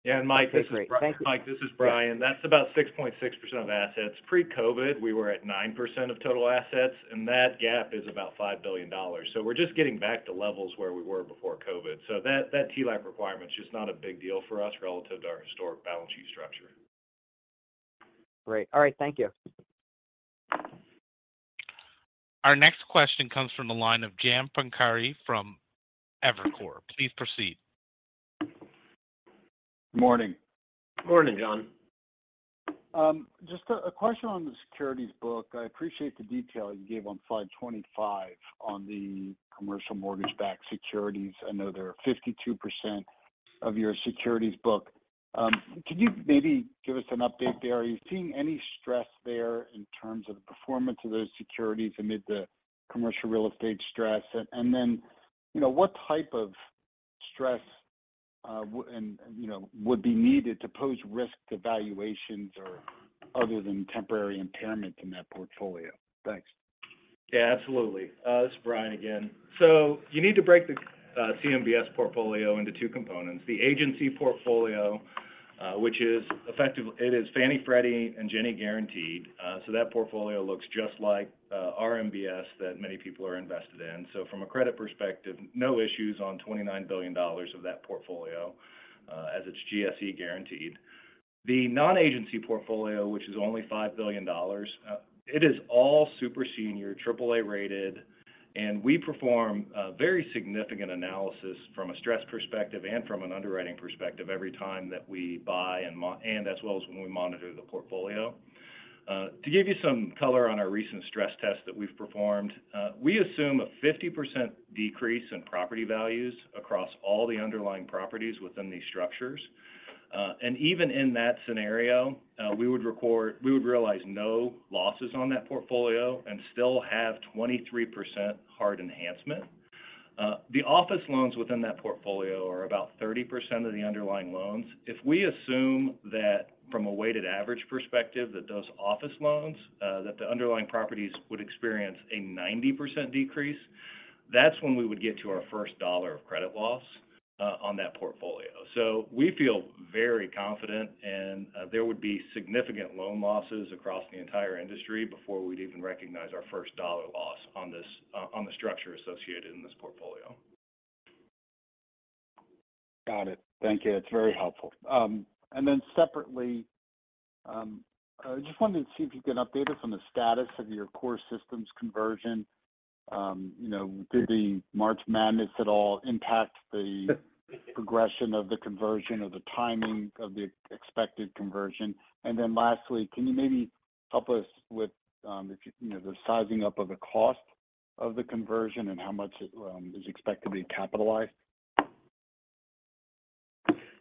Speaker 10: Yeah, Mike-
Speaker 4: That's great. Thank you.
Speaker 10: Mike, this is Bryan.
Speaker 4: Yeah.
Speaker 10: That's about 6.6% of assets. Pre-COVID, we were at 9% of total assets, and that gap is about $5 billion. We're just getting back to levels where we were before COVID. That TLAC requirement is just not a big deal for us relative to our historic balance sheet structure.
Speaker 9: Great. All right. Thank you.
Speaker 1: Our next question comes from the line of John Pancari from Evercore. Please proceed.
Speaker 11: Morning.
Speaker 4: Morning, John.
Speaker 11: Just a question on the securities book. I appreciate the detail you gave on slide 25 on the commercial mortgage-backed securities. I know they are 52% of your securities book. Could you maybe give us an update there? Are you seeing any stress there in terms of the performance of those securities amid the commercial real estate stress? You know, what type of stress, and, you know, would be needed to pose risk to valuations or other than temporary impairment in that portfolio? Thanks.
Speaker 10: Yeah, absolutely. This is Bryan again. You need to break the CMBS portfolio into two components. The agency portfolio, which is it is Fannie, Freddie, and Ginnie guaranteed. That portfolio looks just like RMBS that many people are invested in. From a credit perspective, no issues on $29 billion of that portfolio, as it's GSE guaranteed. The non-agency portfolio, which is only $5 billion, it is all super senior AAA rated. We perform a very significant analysis from a stress perspective and from an underwriting perspective every time that we buy and as well as when we monitor the portfolio. To give you some color on our recent stress test that we've performed, we assume a 50% decrease in property values across all the underlying properties within these structures. Even in that scenario, we would realize no losses on that portfolio and still have 23% hard enhancement. The office loans within that portfolio are about 30% of the underlying loans. If we assume that from a weighted average perspective that those office loans, that the underlying properties would experience a 90% decrease, that's when we would get to our $1 of credit loss on that portfolio. We feel very confident and there would be significant loan losses across the entire industry before we'd even recognize our $1 loss on this on the structure associated in this portfolio.
Speaker 11: Got it. Thank you. That's very helpful. Separately, I just wanted to see if you could update us on the status of your core systems conversion. You know, did the March Madness at all impact the progression of the conversion or the timing of the expected conversion? Lastly, can you maybe help us with, you know, the sizing up of the cost of the conversion and how much it is expected to be capitalized?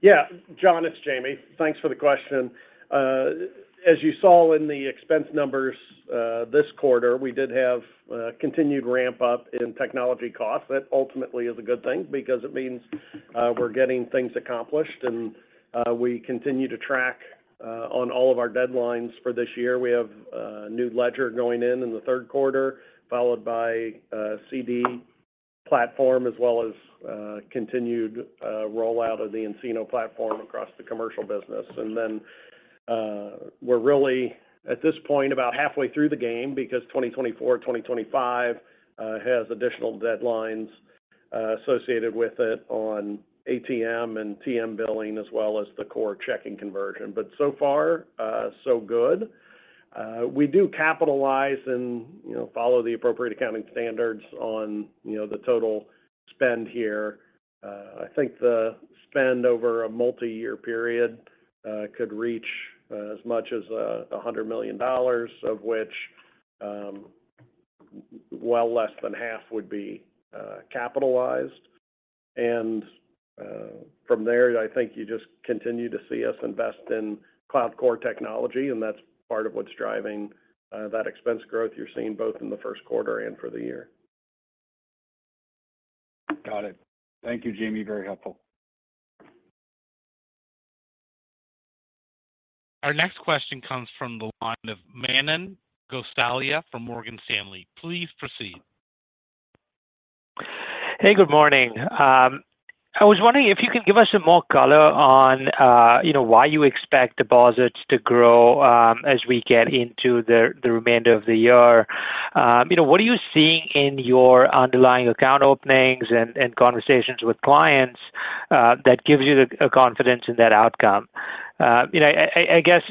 Speaker 4: Yeah. John, it's Jamie. Thanks for the question. As you saw in the expense numbers, this quarter, we did have continued ramp-up in technology costs. That ultimately is a good thing because it means we're getting things accomplished and we continue to track on all of our deadlines for this year. We have a new ledger going in in the third quarter, followed by a CD platform, as well as continued rollout of the nCino platform across the commercial business. We're really at this point about halfway through the game because 2024, 2025 has additional deadlines associated with it on ATM and TM billing, as well as the core checking conversion. So far, so good. We do capitalize and, you know, follow the appropriate accounting standards on, you know, the total spend here. I think the spend over a multi-year period could reach as much as $100 million, of which Well less than half would be capitalized. From there, I think you just continue to see us invest in cloud core technology, and that's part of what's driving that expense growth you're seeing both in the first quarter and for the year.
Speaker 11: Got it. Thank you, Jamie. Very helpful.
Speaker 1: Our next question comes from the line of Manan Gosalia from Morgan Stanley. Please proceed.
Speaker 12: Hey, good morning. I was wondering if you can give us some more color on, you know, why you expect deposits to grow as we get into the remainder of the year. You know, what are you seeing in your underlying account openings and conversations with clients that gives you a confidence in that outcome? You know, I guess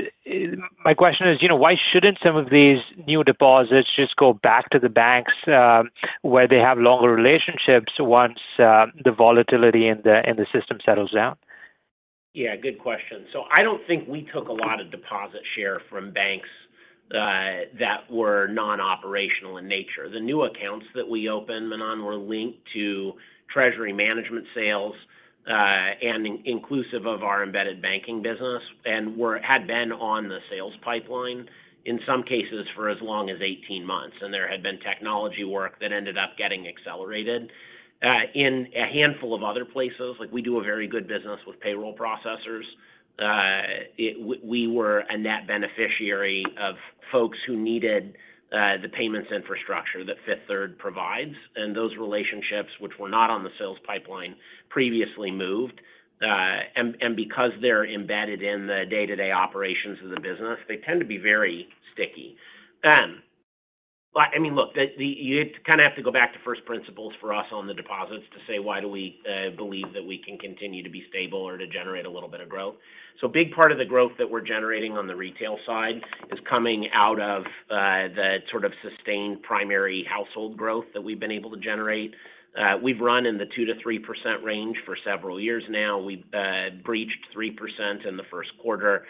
Speaker 12: my question is, you know, why shouldn't some of these new deposits just go back to the banks where they have longer relationships once the volatility in the system settles down?
Speaker 3: Yeah, good question. I don't think we took a lot of deposit share from banks that were non-operational in nature. The new accounts that we opened, Manan, were linked to treasury management sales, and inclusive of our embedded banking business and had been on the sales pipeline, in some cases, for as long as 18 months. There had been technology work that ended up getting accelerated. In a handful of other places, like we do a very good business with payroll processors. we were a net beneficiary of folks who needed the payments infrastructure that Fifth Third provides, and those relationships, which were not on the sales pipeline previously moved. Because they're embedded in the day-to-day operations of the business, they tend to be very sticky. I mean, look, you kind of have to go back to first principles for us on the deposits to say why do we believe that we can continue to be stable or to generate a little bit of growth. Big part of the growth that we're generating on the retail side is coming out of the sort of sustained primary household growth that we've been able to generate. We've run in the 2%-3% range for several years now. We've breached 3% in the 1st quarter.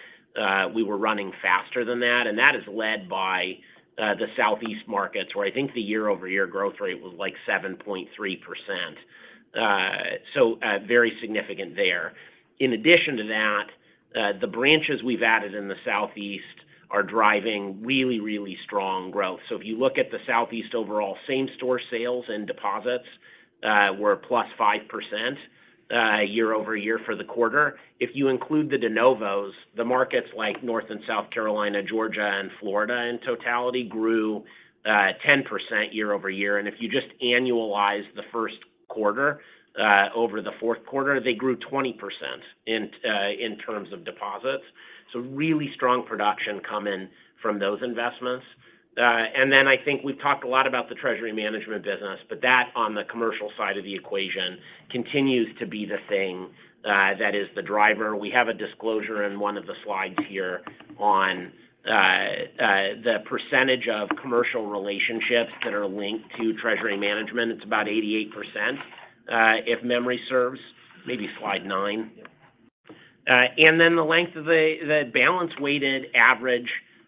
Speaker 3: We were running faster than that is led by the Southeast markets, where I think the year-over-year growth rate was like 7.3% very significant there. In addition to that, the branches we've added in the Southeast are driving really strong growth. If you look at the Southeast overall, same-store sales and deposits were +5% year-over-year for the quarter. If you include the de novos, the markets like North and South Carolina, Georgia and Florida in totality grew 10% year-over-year. If you just annualize the first quarter over the fourth quarter, they grew 20% in terms of deposits. Really strong production coming from those investments. Then I think we've talked a lot about the treasury management business, but that on the commercial side of the equation continues to be the thing that is the driver. We have a disclosure in one of the slides here on the percentage of commercial relationships that are linked to treasury management. It's about 88%, if memory serves, maybe slide 9. The length of the balance weighted average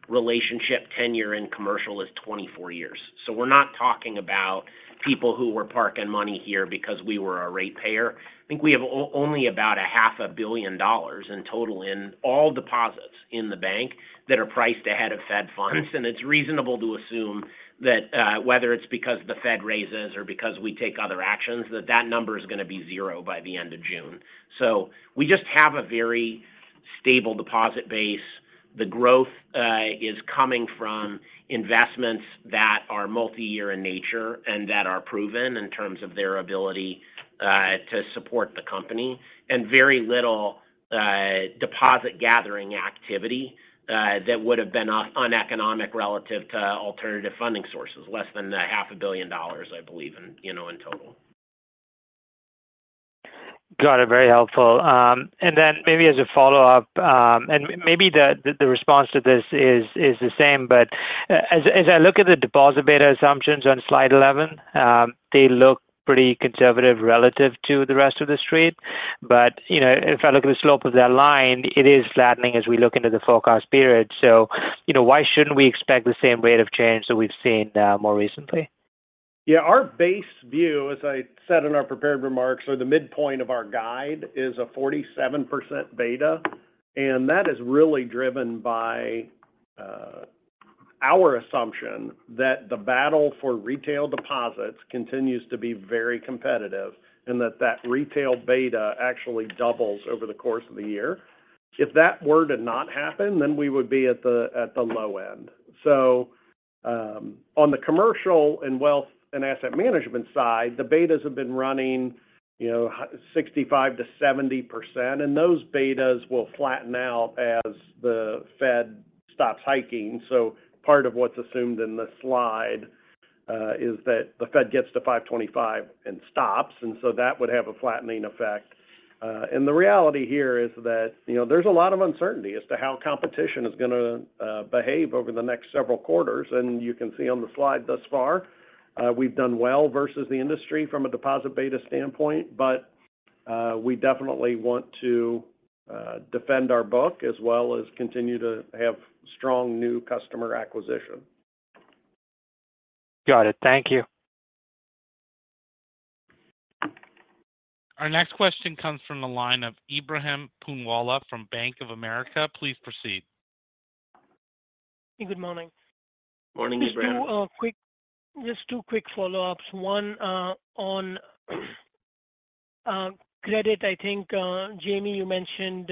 Speaker 3: relationship tenure in commercial is 24 years. We're not talking about people who were parking money here because we were a rate payer. I think we have only about a half a billion dollars in total in all deposits in the bank that are priced ahead of Fed funds. It's reasonable to assume that, whether it's because the Fed raises or because we take other actions, that that number is going to be 0 by the end of June. We just have a very stable deposit base. The growth is coming from investments that are multi-year in nature and that are proven in terms of their ability to support the company. Very little deposit gathering activity that would have been uneconomic relative to alternative funding sources, less than a half a billion dollars, I believe in, you know, in total.
Speaker 12: Got it. Very helpful. Then maybe as a follow-up, maybe the response to this is the same. As I look at the deposit beta assumptions on slide 11, they look pretty conservative relative to the rest of the street. You know, if I look at the slope of that line, it is flattening as we look into the forecast period. You know, why shouldn't we expect the same rate of change that we've seen more recently?
Speaker 4: Yeah. Our base view, as I said in our prepared remarks, or the midpoint of our guide is a 47% beta. That is really driven by our assumption that the battle for retail deposits continues to be very competitive and that that retail beta actually doubles over the course of the year. If that were to not happen, we would be at the low end. On the commercial and wealth and asset management side, the betas have been running, you know, 65%-70%, and those betas will flatten out as the Fed stops hiking. Part of what's assumed in the slide is that the Fed gets to 5.25 and stops, that would have a flattening effect. The reality here is that, you know, there's a lot of uncertainty as to how competition is gonna behave over the next several quarters. You can see on the slide thus far; we've done well versus the industry from a deposit beta standpoint. We definitely want to defend our book as well as continue to have strong new customer acquisition.
Speaker 12: Got it. Thank you.
Speaker 1: Our next question comes from the line of Ebrahim Poonawala from Bank of America. Please proceed.
Speaker 13: Good morning.
Speaker 3: Morning, Ebrahim.
Speaker 13: Just two quick follow-ups. One, on credit. I think, Jamie, you mentioned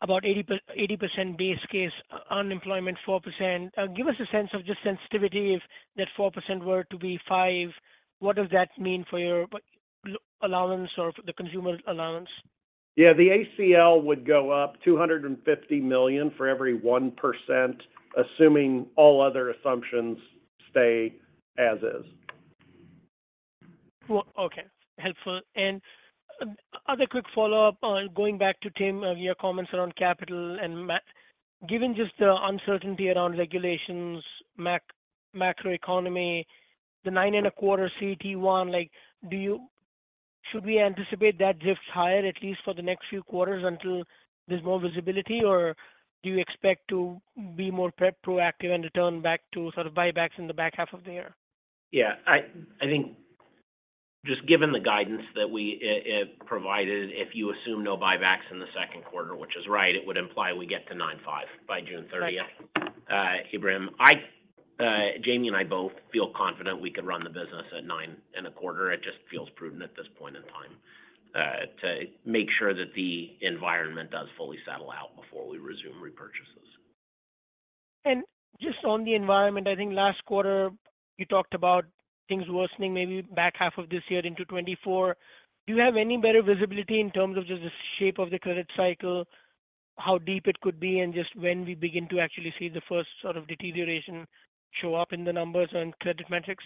Speaker 13: about 80% base case unemployment, 4%. Give us a sense of just sensitivity if that 4% were to be 5%. What does that mean for your allowance or the consumer allowance?
Speaker 3: Yeah. The ACL would go up $250 million for every 1%, assuming all other assumptions stay as is.
Speaker 13: Well, okay. Helpful. Other quick follow-up on going back to Tim, your comments around capital and Given just the uncertainty around regulations, macroeconomy, the 9.25% CET1, like, should we anticipate that drifts higher at least for the next few quarters until there's more visibility? Or do you expect to be more proactive and return back to sort of buybacks in the back half of the year?
Speaker 3: Yeah. I think just given the guidance that we provided, if you assume no buybacks in the second quarter, which is right, it will imply we get to 9.5 by June thirtieth.
Speaker 13: Right.
Speaker 3: Ebrahim, Jamie and I both feel confident we could run the business at 9.25%. It just feels prudent at this point in time to make sure that the environment does fully settle out before we resume repurchases.
Speaker 13: Just on the environment, I think last quarter you talked about things worsening maybe back half of this year into 2024. Do you have any better visibility in terms of just the shape of the credit cycle, how deep it could be, and just when we begin to actually see the first sort of deterioration show up in the numbers on credit metrics?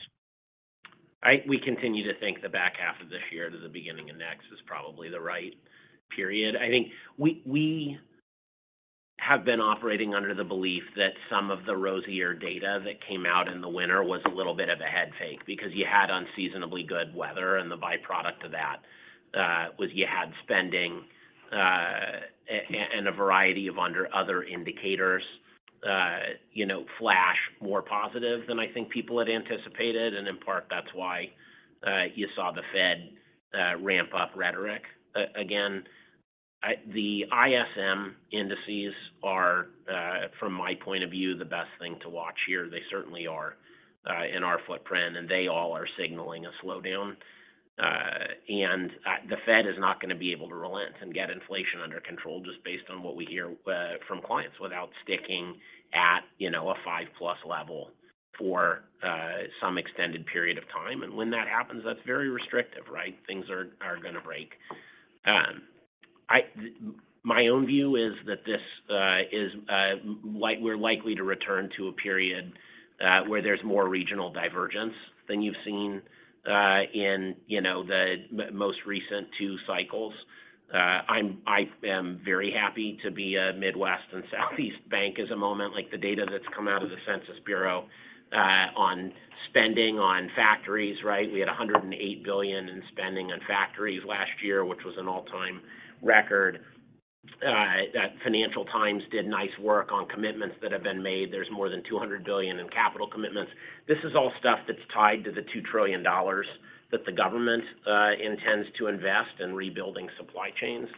Speaker 3: We continue to think the back half of this year to the beginning of next is probably the right period. I think we have been operating under the belief that some of the rosier data that came out in the winter was a little bit of a head fake because you had unseasonably good weather and the byproduct of that was you had spending and a variety of under other indicators, you know, flash more positive than I think people had anticipated. In part, that's why you saw the Fed ramp up rhetoric. Again, the ISM indices are from my point of view, the best thing to watch here. They certainly are in our footprint, and they all are signaling a slowdown. The Fed is not going to be able to relent and get inflation under control just based on what we hear from clients without sticking at, you know, a five-plus level for some extended period of time. When that happens, that's very restrictive, right? Things are going to break. My own view is that this is like we're likely to return to a period where there's more regional divergence than you've seen in, you know, the most recent two cycles. I am very happy to be a Midwest and Southeast bank is a moment. Like, the data that's come out of the Census Bureau on spending on factories, right? We had $108 billion in spending on factories last year, which was an all-time record. That Financial Times did nice work on commitments that have been made. There's more than $200 billion in capital commitments. This is all stuff that's tied to the $2 trillion that the government intends to invest in rebuilding supply chains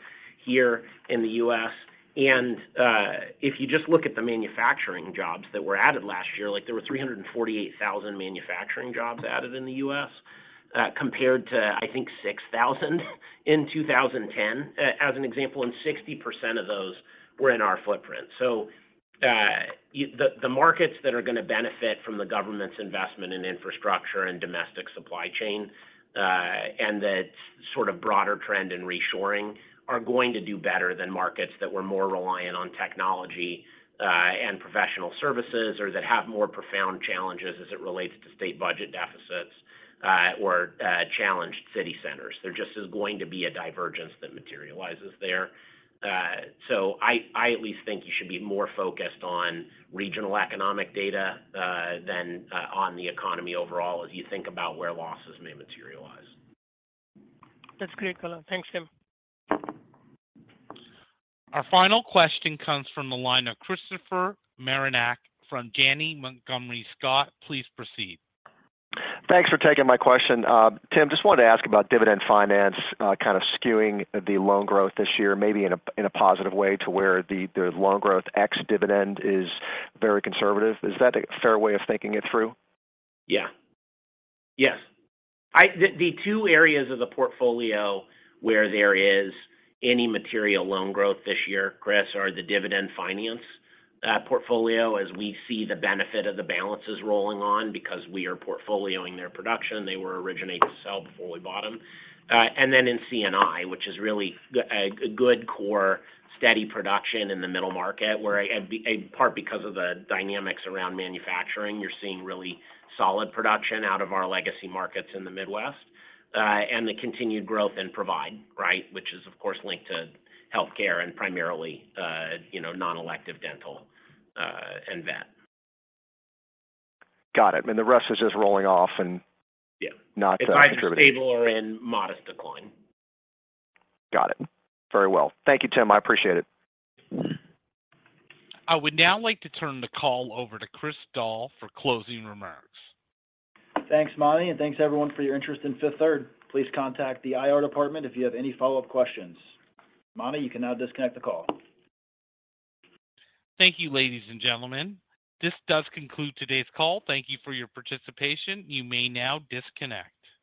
Speaker 3: here in the US. If you just look at the manufacturing jobs that were added last year, like there were 348,000 manufacturing jobs added in the US, compared to, I think, 6,000 in 2010, as an example, and 60% of those were in our footprint. So if the markets that are going to benefit from the government's investment in infrastructure and domestic supply chain, and that sort of broader trend in reshoring are going to do better than markets that were more reliant on technology, and professional services or that have more profound challenges as it relates to state budget deficits, or challenged city centers. There just is going to be a divergence that materializes there. I at least think you should be more focused on regional economic data, than on the economy overall as you think about where losses may materialize.
Speaker 13: That's great color. Thanks, Tim.
Speaker 1: Our final question comes from the line of Christopher Marinac from Janney Montgomery Scott. Please proceed.
Speaker 14: Thanks for taking my question. Tim, just wanted to ask about Dividend Finance, kind of skewing the loan growth this year, maybe in a positive way to where the loan growth ex-dividend is very conservative. Is that a fair way of thinking it through?
Speaker 3: Yeah. Yes. The two areas of the portfolio where there is any material loan growth this year, Chris, are the Dividend Finance portfolio, as we see the benefit of the balances rolling on because we are port folioing their production. They were originate to sell before we bought them. Then in C&I, which is really a good core steady production in the middle market, where, in part because of the dynamics around manufacturing, you're seeing really solid production out of our legacy markets in the Midwest. The continued growth in Provide, right? Which is, of course, linked to healthcare and primarily, you know, non-elective dental and vet.
Speaker 14: Got it. The rest is just rolling off.
Speaker 3: Yeah.
Speaker 14: Not contributing.
Speaker 3: It's either stable or in modest decline.
Speaker 14: Got it. Very well. Thank you, Tim. I appreciate it.
Speaker 1: I would now like to turn the call over to Chris Doll for closing remarks.
Speaker 2: Thanks, Monty, and thanks everyone for your interest in Fifth Third. Please contact the IR department if you have any follow-up questions. Monty, you can now disconnect the call.
Speaker 1: Thank you, ladies and gentlemen. This does conclude today's call. Thank you for your participation. You may now disconnect.